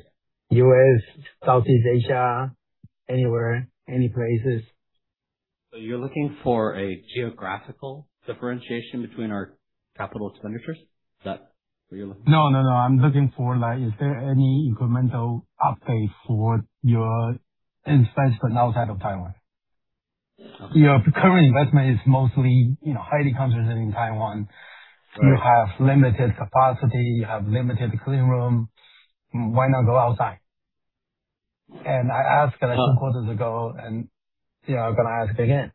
U.S., Southeast Asia, anywhere, any places. You're looking for a geographical differentiation between our capital expenditures? Is that what you're looking for? No, no. I'm looking for like is there any incremental update for your investment outside of Taiwan? Your current investment is mostly, you know, highly concentrated in Taiwan. Right. You have limited capacity, you have limited cleanroom. Why not go outside? I asked like two quarters ago and, yeah, I'm gonna ask again.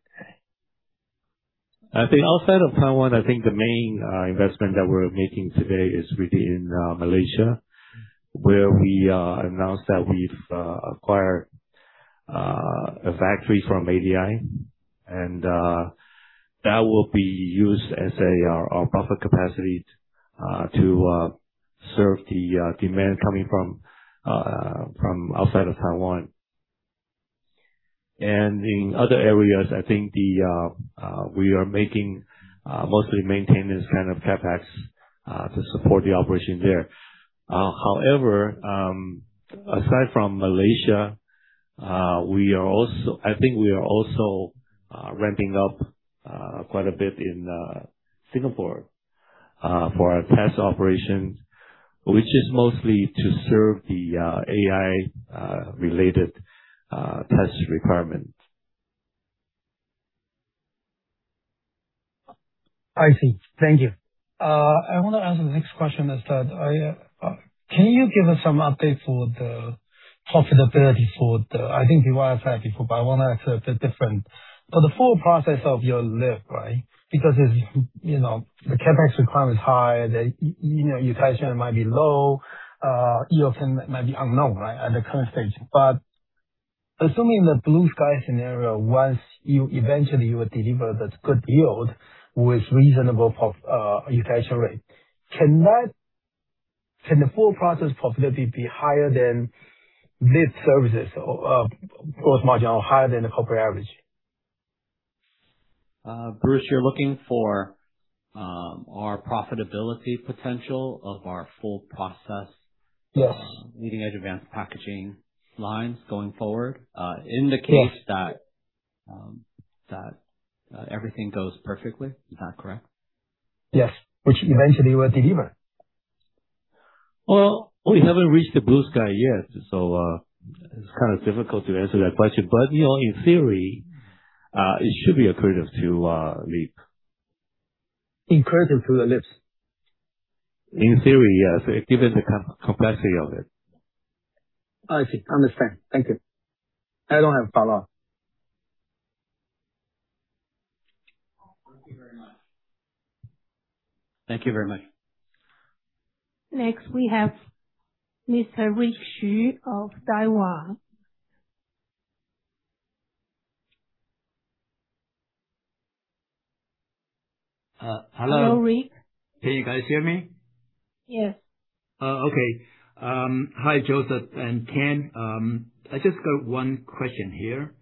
I think outside of Taiwan, I think the main investment that we're making today is really in Malaysia, where we announced that we've acquired a factory from ADI and that will be used as our buffer capacity to serve the demand coming from outside of Taiwan. In other areas, I think we are making mostly maintenance kind of CapEx to support the operation there. However, aside from Malaysia, we are also ramping up quite a bit in Singapore for our test operations, which is mostly to serve the AI related test requirement. I see. Thank you. I want to ask the next question is that I, can you give us some update for the profitability for the, I think you answered before, but I want to ask a bit different. For the full process of your LEAP, right? Because it's, you know, the CapEx requirement is high. The utilization might be low. Yield might be unknown, right? At the current stage. But assuming the blue sky scenario, once you eventually will deliver that good yield with reasonable prof, utilization rate, can the full process profitability be higher than LEAP services or gross margin or higher than the corporate average? Bruce, you're looking for our profitability potential of our full process? Yes. leading-edge advanced packaging lines going forward. Yes. That everything goes perfectly. Is that correct? Yes. Which eventually you will deliver. Well, we haven't reached the blue sky yet, so, it's kind of difficult to answer that question. you know, in theory, it should be accretive to LEAP. Accretive to the LEAPs. In theory, yes, given the complexity of it. I see. Understand. Thank you. I don't have follow-up. Thank you very much. Thank you very much. Next, we have Mr. Rick Hsu of Daiwa. Hello. Hello, Rick. Can you guys hear me? Yes. Okay. Hi, Joseph and Ken. I just got one question here.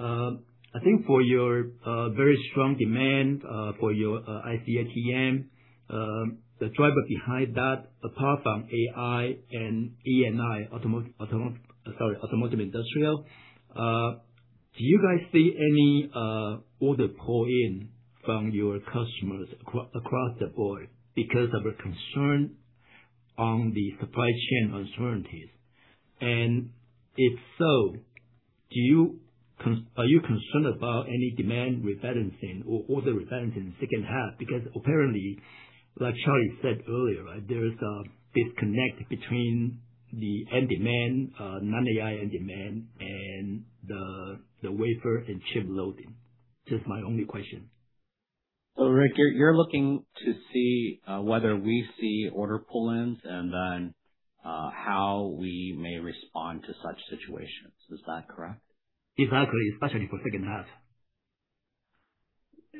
I think for your very strong demand for your IC ATM, the driver behind that, apart from AI and HPC, automotive, industrial, do you guys see any order pull in from your customers across the board because of a concern on the supply chain uncertainties? If so, are you concerned about any demand rebalancing or order rebalancing in the second half? Apparently, like Charlie said earlier, right, there is a disconnect between the end demand, non-AI end demand and the wafer and chip loading. Just my only question. Rick, you're looking to see whether we see order pull-ins and then how we may respond to such situations. Is that correct? Exactly, especially for second half.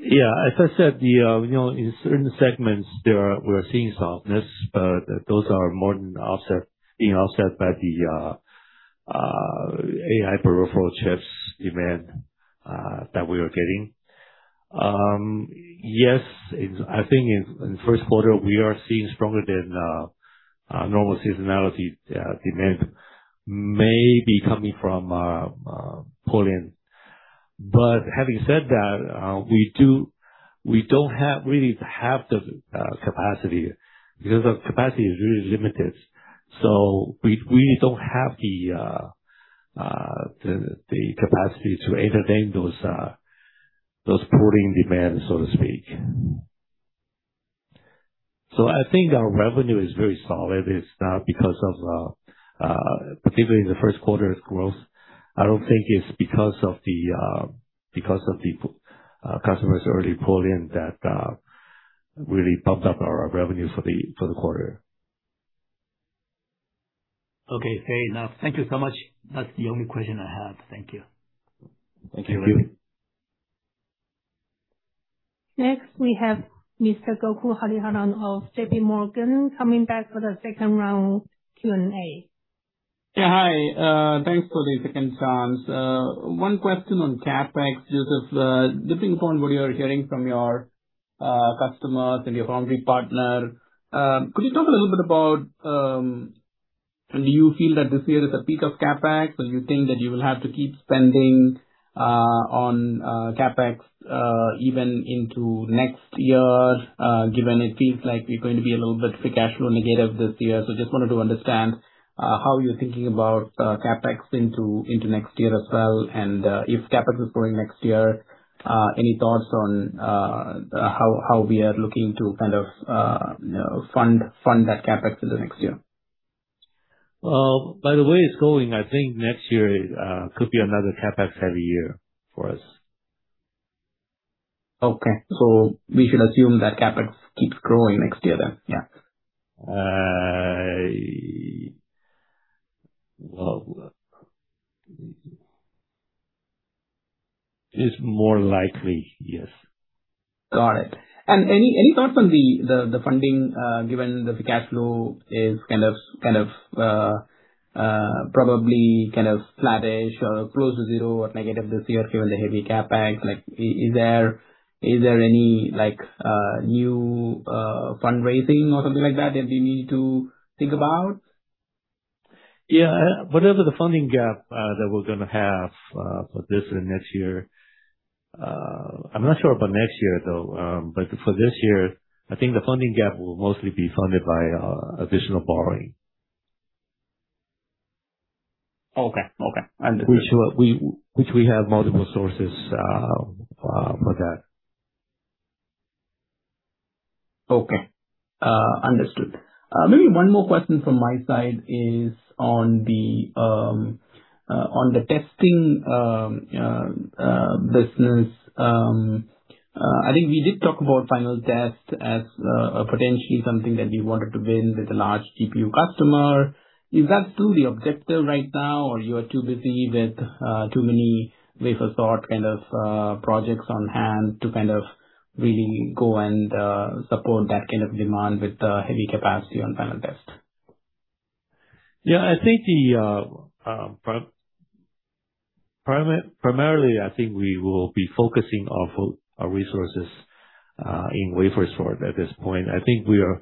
Yeah, as I said, you know, in certain segments we're seeing softness, those are more than offset, being offset by the AI peripheral chips demand that we are getting. Yes, I think in the Q1, we are seeing stronger than normal seasonality demand maybe coming from pull-in. Having said that, we don't really have the capacity because our capacity is really limited, so we don't have the capacity to entertain those pulling demands, so to speak. I think our revenue is very solid. It's not because of, particularly in the Q1 growth, I don't think it's because of the customers early pull-in that really bumped up our revenue for the quarter. Okay. Fair enough. Thank you so much. That's the only question I have. Thank you. Thank you. Thank you. Next, we have Mr. Gokul Hariharan of JPMorgan coming back for the second round Q&A. Yeah. Hi. Thanks for the second chance. One question on CapEx. Joseph, looking upon what you're hearing from your customers and your foundry partner, could you talk a little bit about, do you feel that this year is a peak of CapEx? Or you think that you will have to keep spending on CapEx even into next year, given it seems like you're going to be a little bit free cash flow negative this year. Just wanted to understand how you're thinking about CapEx into next year as well. If CapEx is growing next year, any thoughts on how we are looking to kind of, you know, fund that CapEx for the next year? Well, by the way it's going, I think next year is could be another CapEx heavy year for us. Okay. We should assume that CapEx keeps growing next year then? Yeah. Well, let me see. It's more likely, yes. Got it. Any thoughts on the funding, given that the cash flow is kind of probably kind of flattish or close to zero or negative this year given the heavy CapEx? Like, is there any new fundraising or something like that we need to think about? Yeah. Whatever the funding gap that we're gonna have for this and next year, I'm not sure about next year though. For this year, I think the funding gap will mostly be funded by additional borrowing. Okay. Okay. Understood. Which, which we have multiple sources for that. Okay. Understood. Maybe one more question from my side is on the testing business. I think we did talk about final test as potentially something that we wanted to win with a large GPU customer. Is that still the objective right now or you are too busy with too many wafer sort kind of projects on hand to kind of really go and support that kind of demand with the heavy capacity on final test? Yeah, I think the primarily, I think we will be focusing our resources in wafer sort at this point. I think we are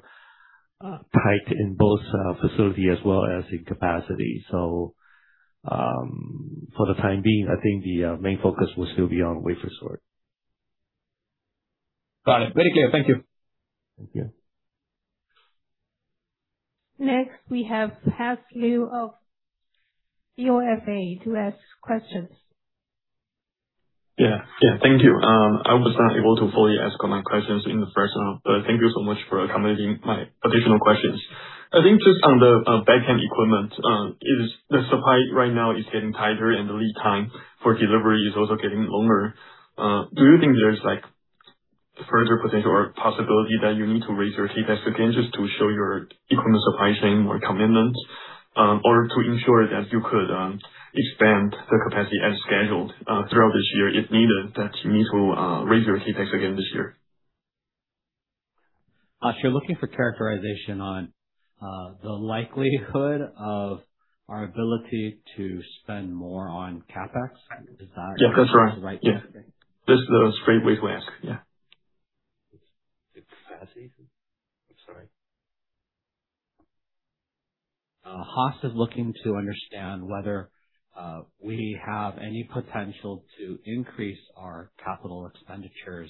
tight in both facility as well as in capacity. For the time being, I think the main focus will still be on wafer sort. Got it. Very clear. Thank you. Thank you. Next, we have Haas Liu of BofA to ask questions. Yeah. Yeah. Thank you. I was not able to fully ask all my questions in the first round, thank you so much for accommodating my additional questions. I think just on the back-end equipment, the supply right now is getting tighter and the lead time for delivery is also getting longer. Do you think there's like further potential or possibility that you need to raise your CapEx again just to shore up your equipment supply chain or commitment, or to ensure that you could expand the capacity as scheduled throughout this year if needed, that you need to raise your CapEx again this year? You're looking for characterization on the likelihood of our ability to spend more on CapEx? Yeah, that's right. Right? Yeah. That's the straight way to ask. Yeah. The capacity? I'm sorry. Haas Liu is looking to understand whether we have any potential to increase our capital expenditures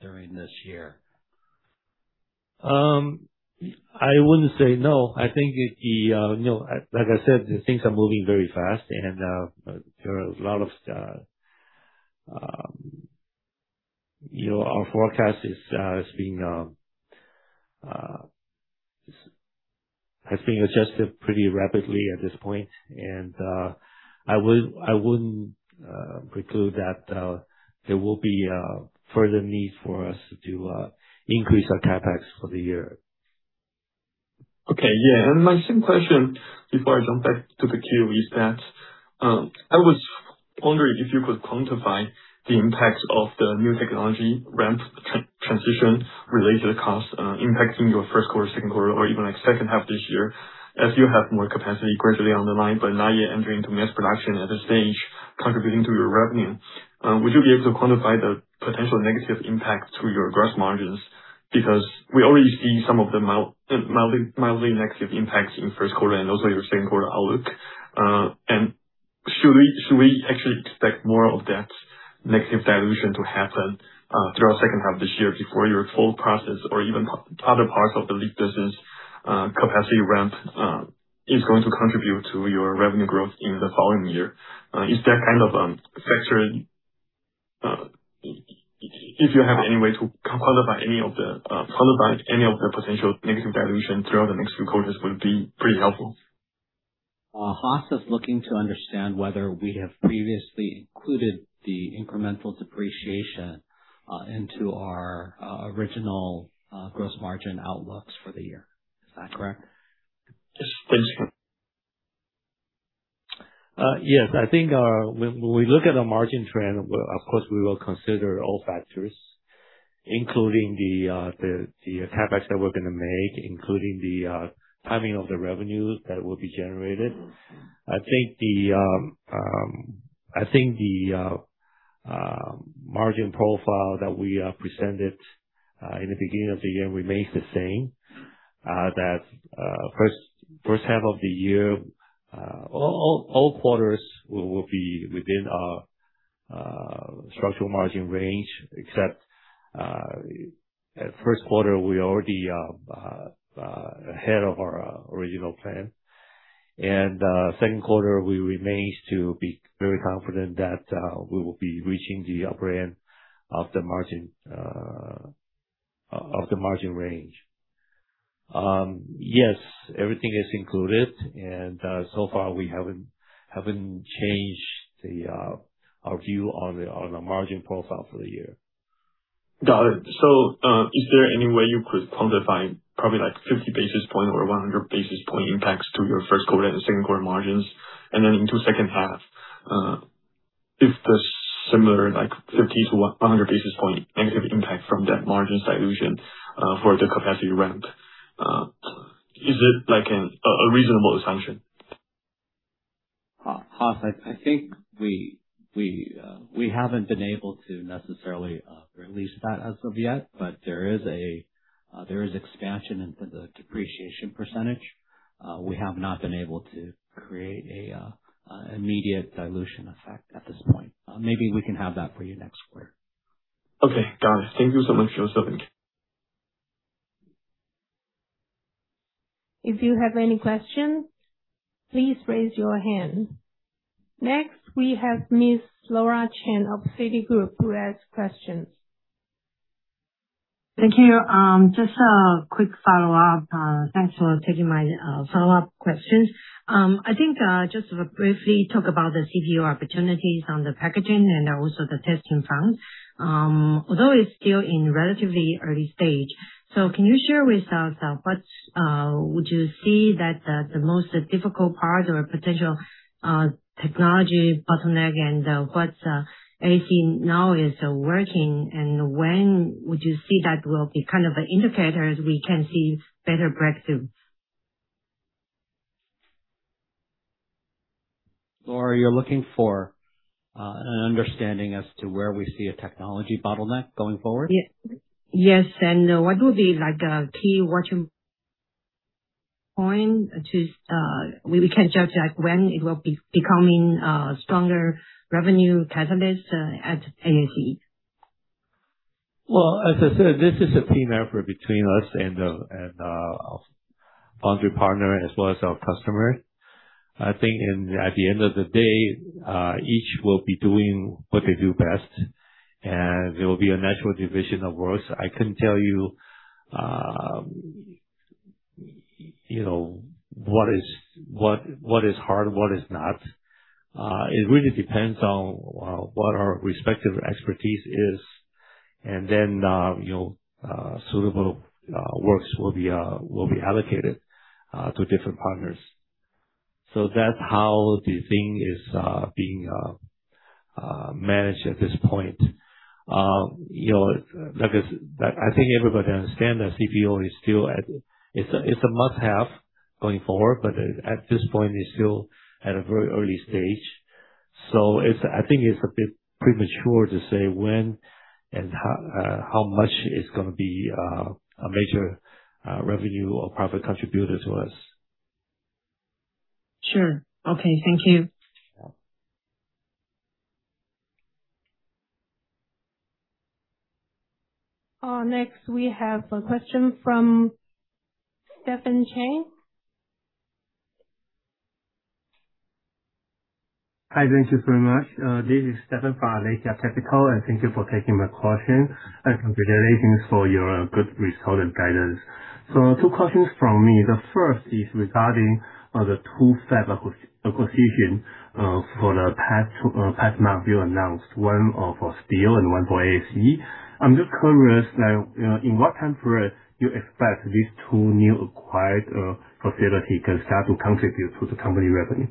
during this year. I wouldn't say no. I think the, you know, like I said, the things are moving very fast and there are a lot of, you know, our forecast is being adjusted pretty rapidly at this point. I would, I wouldn't preclude that there will be further need for us to increase our CapEx for the year. Okay. Yeah. My second question before I jump back to the queue is that, I was wondering if you could quantify the impact of the new technology ramp transition related cost, impacting your Q1, Q2 or even like second half this year as you have more capacity gradually on the line but not yet entering to mass production at a stage contributing to your revenue. Would you be able to quantify the potential negative impact to your gross margins? We already see some of the mild, mildly negative impacts in Q1 and also your Q2 outlook. Should we actually expect more of that negative dilution to happen through our second half of this year before your full process or even other parts of the lead business capacity ramp is going to contribute to your revenue growth in the following year? Is that kind of factored? If you have any way to quantify any of the potential negative dilution throughout the next few quarters, that would be pretty helpful. Haas Liu is looking to understand whether we have previously included the incremental depreciation into our original gross margin outlooks for the year. Is that correct? Yes, please. Yes. I think when we look at a margin trend, of course, we will consider all factors, including the CapEx that we're gonna make, including the timing of the revenues that will be generated. I think the margin profile that we presented in the beginning of the year remains the same. That first half of the year, all quarters will be within our structural margin range, except at Q1, we already ahead of our original plan. Q2, we remains to be very confident that we will be reaching the upper end of the margin range. Yes, everything is included and, so far we haven't changed the, our view on the, on the margin profile for the year. Got it. Is there any way you could quantify probably like 50 basis points or 100 basis points impacts to your Q1 and Q2 margins? Into second half, if there is similar like 50 to 100 basis points negative impact from that margin dilution for the capacity ramp, is it a reasonable assumption? Haas, I think we haven't been able to necessarily release that as of yet, but there is a there is expansion into the depreciation %. We have not been able to create a immediate dilution effect at this point. Maybe we can have that for you next quarter. Okay, got it. Thank you so much, Joseph. If you have any questions, please raise your hand. Next, we have Miss Laura Chen of Citigroup who has questions. Thank you. Just a quick follow-up. Thanks for taking my follow-up questions. I think just to briefly talk about the CPO opportunities on the packaging and also the testing front. Although it's still in relatively early stage. Can you share with us what would you see that the most difficult part or potential technology bottleneck and what ASE now is working and when would you see that will be kind of the indicators we can see better breakthroughs? Laura, you're looking for an understanding as to where we see a technology bottleneck going forward? Yes. Yes. What would be like a key watching point to, we can judge, like, when it will be becoming, stronger revenue catalyst, at ASE? Well, as I said, this is a team effort between us and our foundry partner as well as our customer. I think at the end of the day, each will be doing what they do best, and there will be a natural division of work. I couldn't tell you know, what is hard, what is not. It really depends on what our respective expertise is. You know, suitable works will be allocated to different partners. That's how the thing is being managed at this point. You know, like I think everybody understand that CPO is still, it's a must-have going forward, but at this point, it's still at a very early stage. I think it's a bit premature to say when and how much it's gonna be a major revenue or profit contributor to us. Sure. Okay. Thank you. Yeah. Next we have a question from [Stefan Chang]. Hi, thank you very much. This is [Stefan Chang] from Aletheia Capital, thank you for taking my question. Congratulations for your good result and guidance. Two questions from me. The first is regarding the two fab acquisition for the past month you announced, one for steel and one for ASE. I'm just curious, like, in what time frame you expect these two new acquired facility can start to contribute to the company revenue?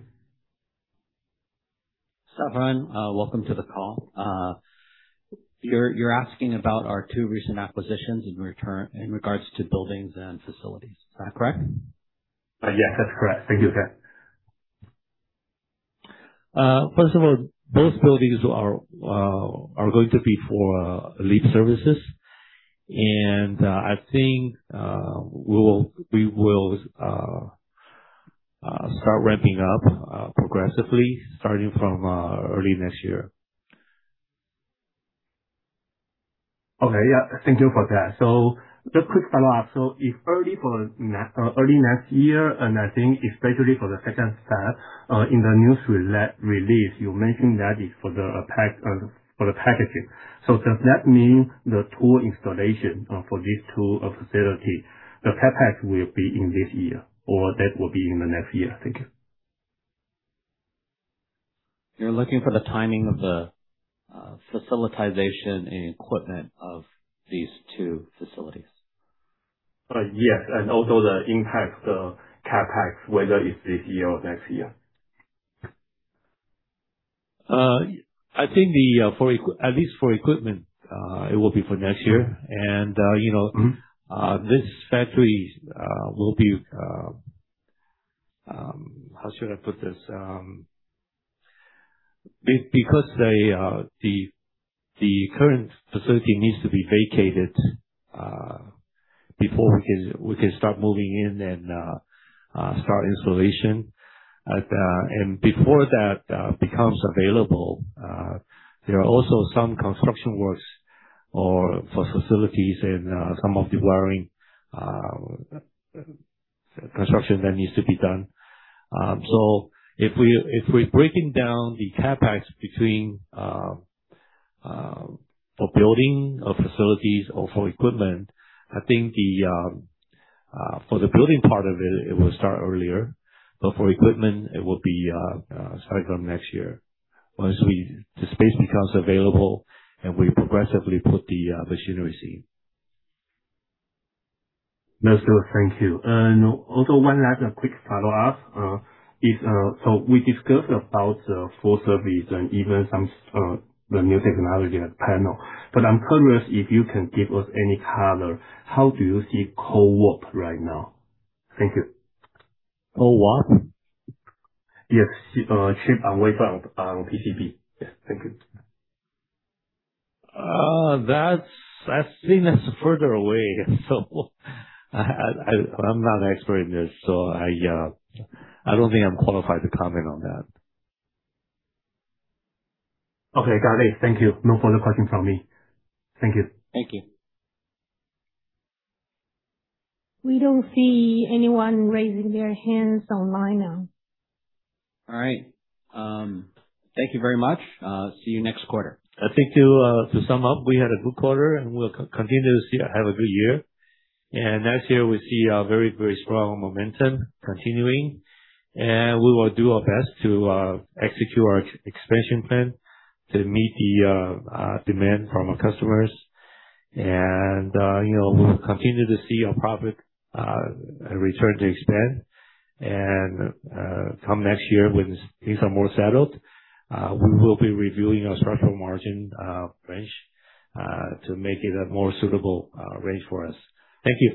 [Stefan], welcome to the call. You're asking about our two recent acquisitions in regards to buildings and facilities. Is that correct? Yes, that's correct. Thank you. First of all, both buildings are going to be for LEAP services. I think we will start ramping up progressively starting from early next year. Okay. Yeah. Thank you for that. Just quick follow-up. If early for early next year, and I think especially for the second half, in the news release, you mentioned that is for the packaging. Does that mean the tool installation for these two facility, the CapEx will be in this year or that will be in the next year? Thank you. You're looking for the timing of the facilitization and equipment of these two facilities. Yes. Also the impact, CapEx, whether it's this year or next year. I think the, at least for equipment, it will be for next year. This factory will be. How should I put this? Because the current facility needs to be vacated before we can start moving in and start installation. Before that becomes available, there are also some construction works or for facilities and some of the wiring construction that needs to be done. If we're breaking down the CapEx between for building of facilities or for equipment, I think the for the building part of it will start earlier. For equipment, it will be starting from next year. the space becomes available and we progressively put the machineries in. No, sir. Thank you. Also one last quick follow-up is, we discussed about full service and even some the new technology at panel. I'm curious if you can give us any color, how do you see CoWoS right now? Thank you. CoWoS? Yes. chip on wafer on PCB. Yes. Thank you. That's. I think that's further away. I'm not an expert in this, so I don't think I'm qualified to comment on that. Okay. Got it. Thank you. No further questions from me. Thank you. Thank you. We don't see anyone raising their hands online now. All right. Thank you very much. See you next quarter. I think to to sum up, we had a good quarter, and we'll continue to see have a good year. Next year we see a very, very strong momentum continuing, and we will do our best to execute our expansion plan to meet the demand from our customers. You know, we'll continue to see our profit return to expand. Come next year, when these things are more settled, we will be reviewing our structural margin range to make it a more suitable range for us. Thank you.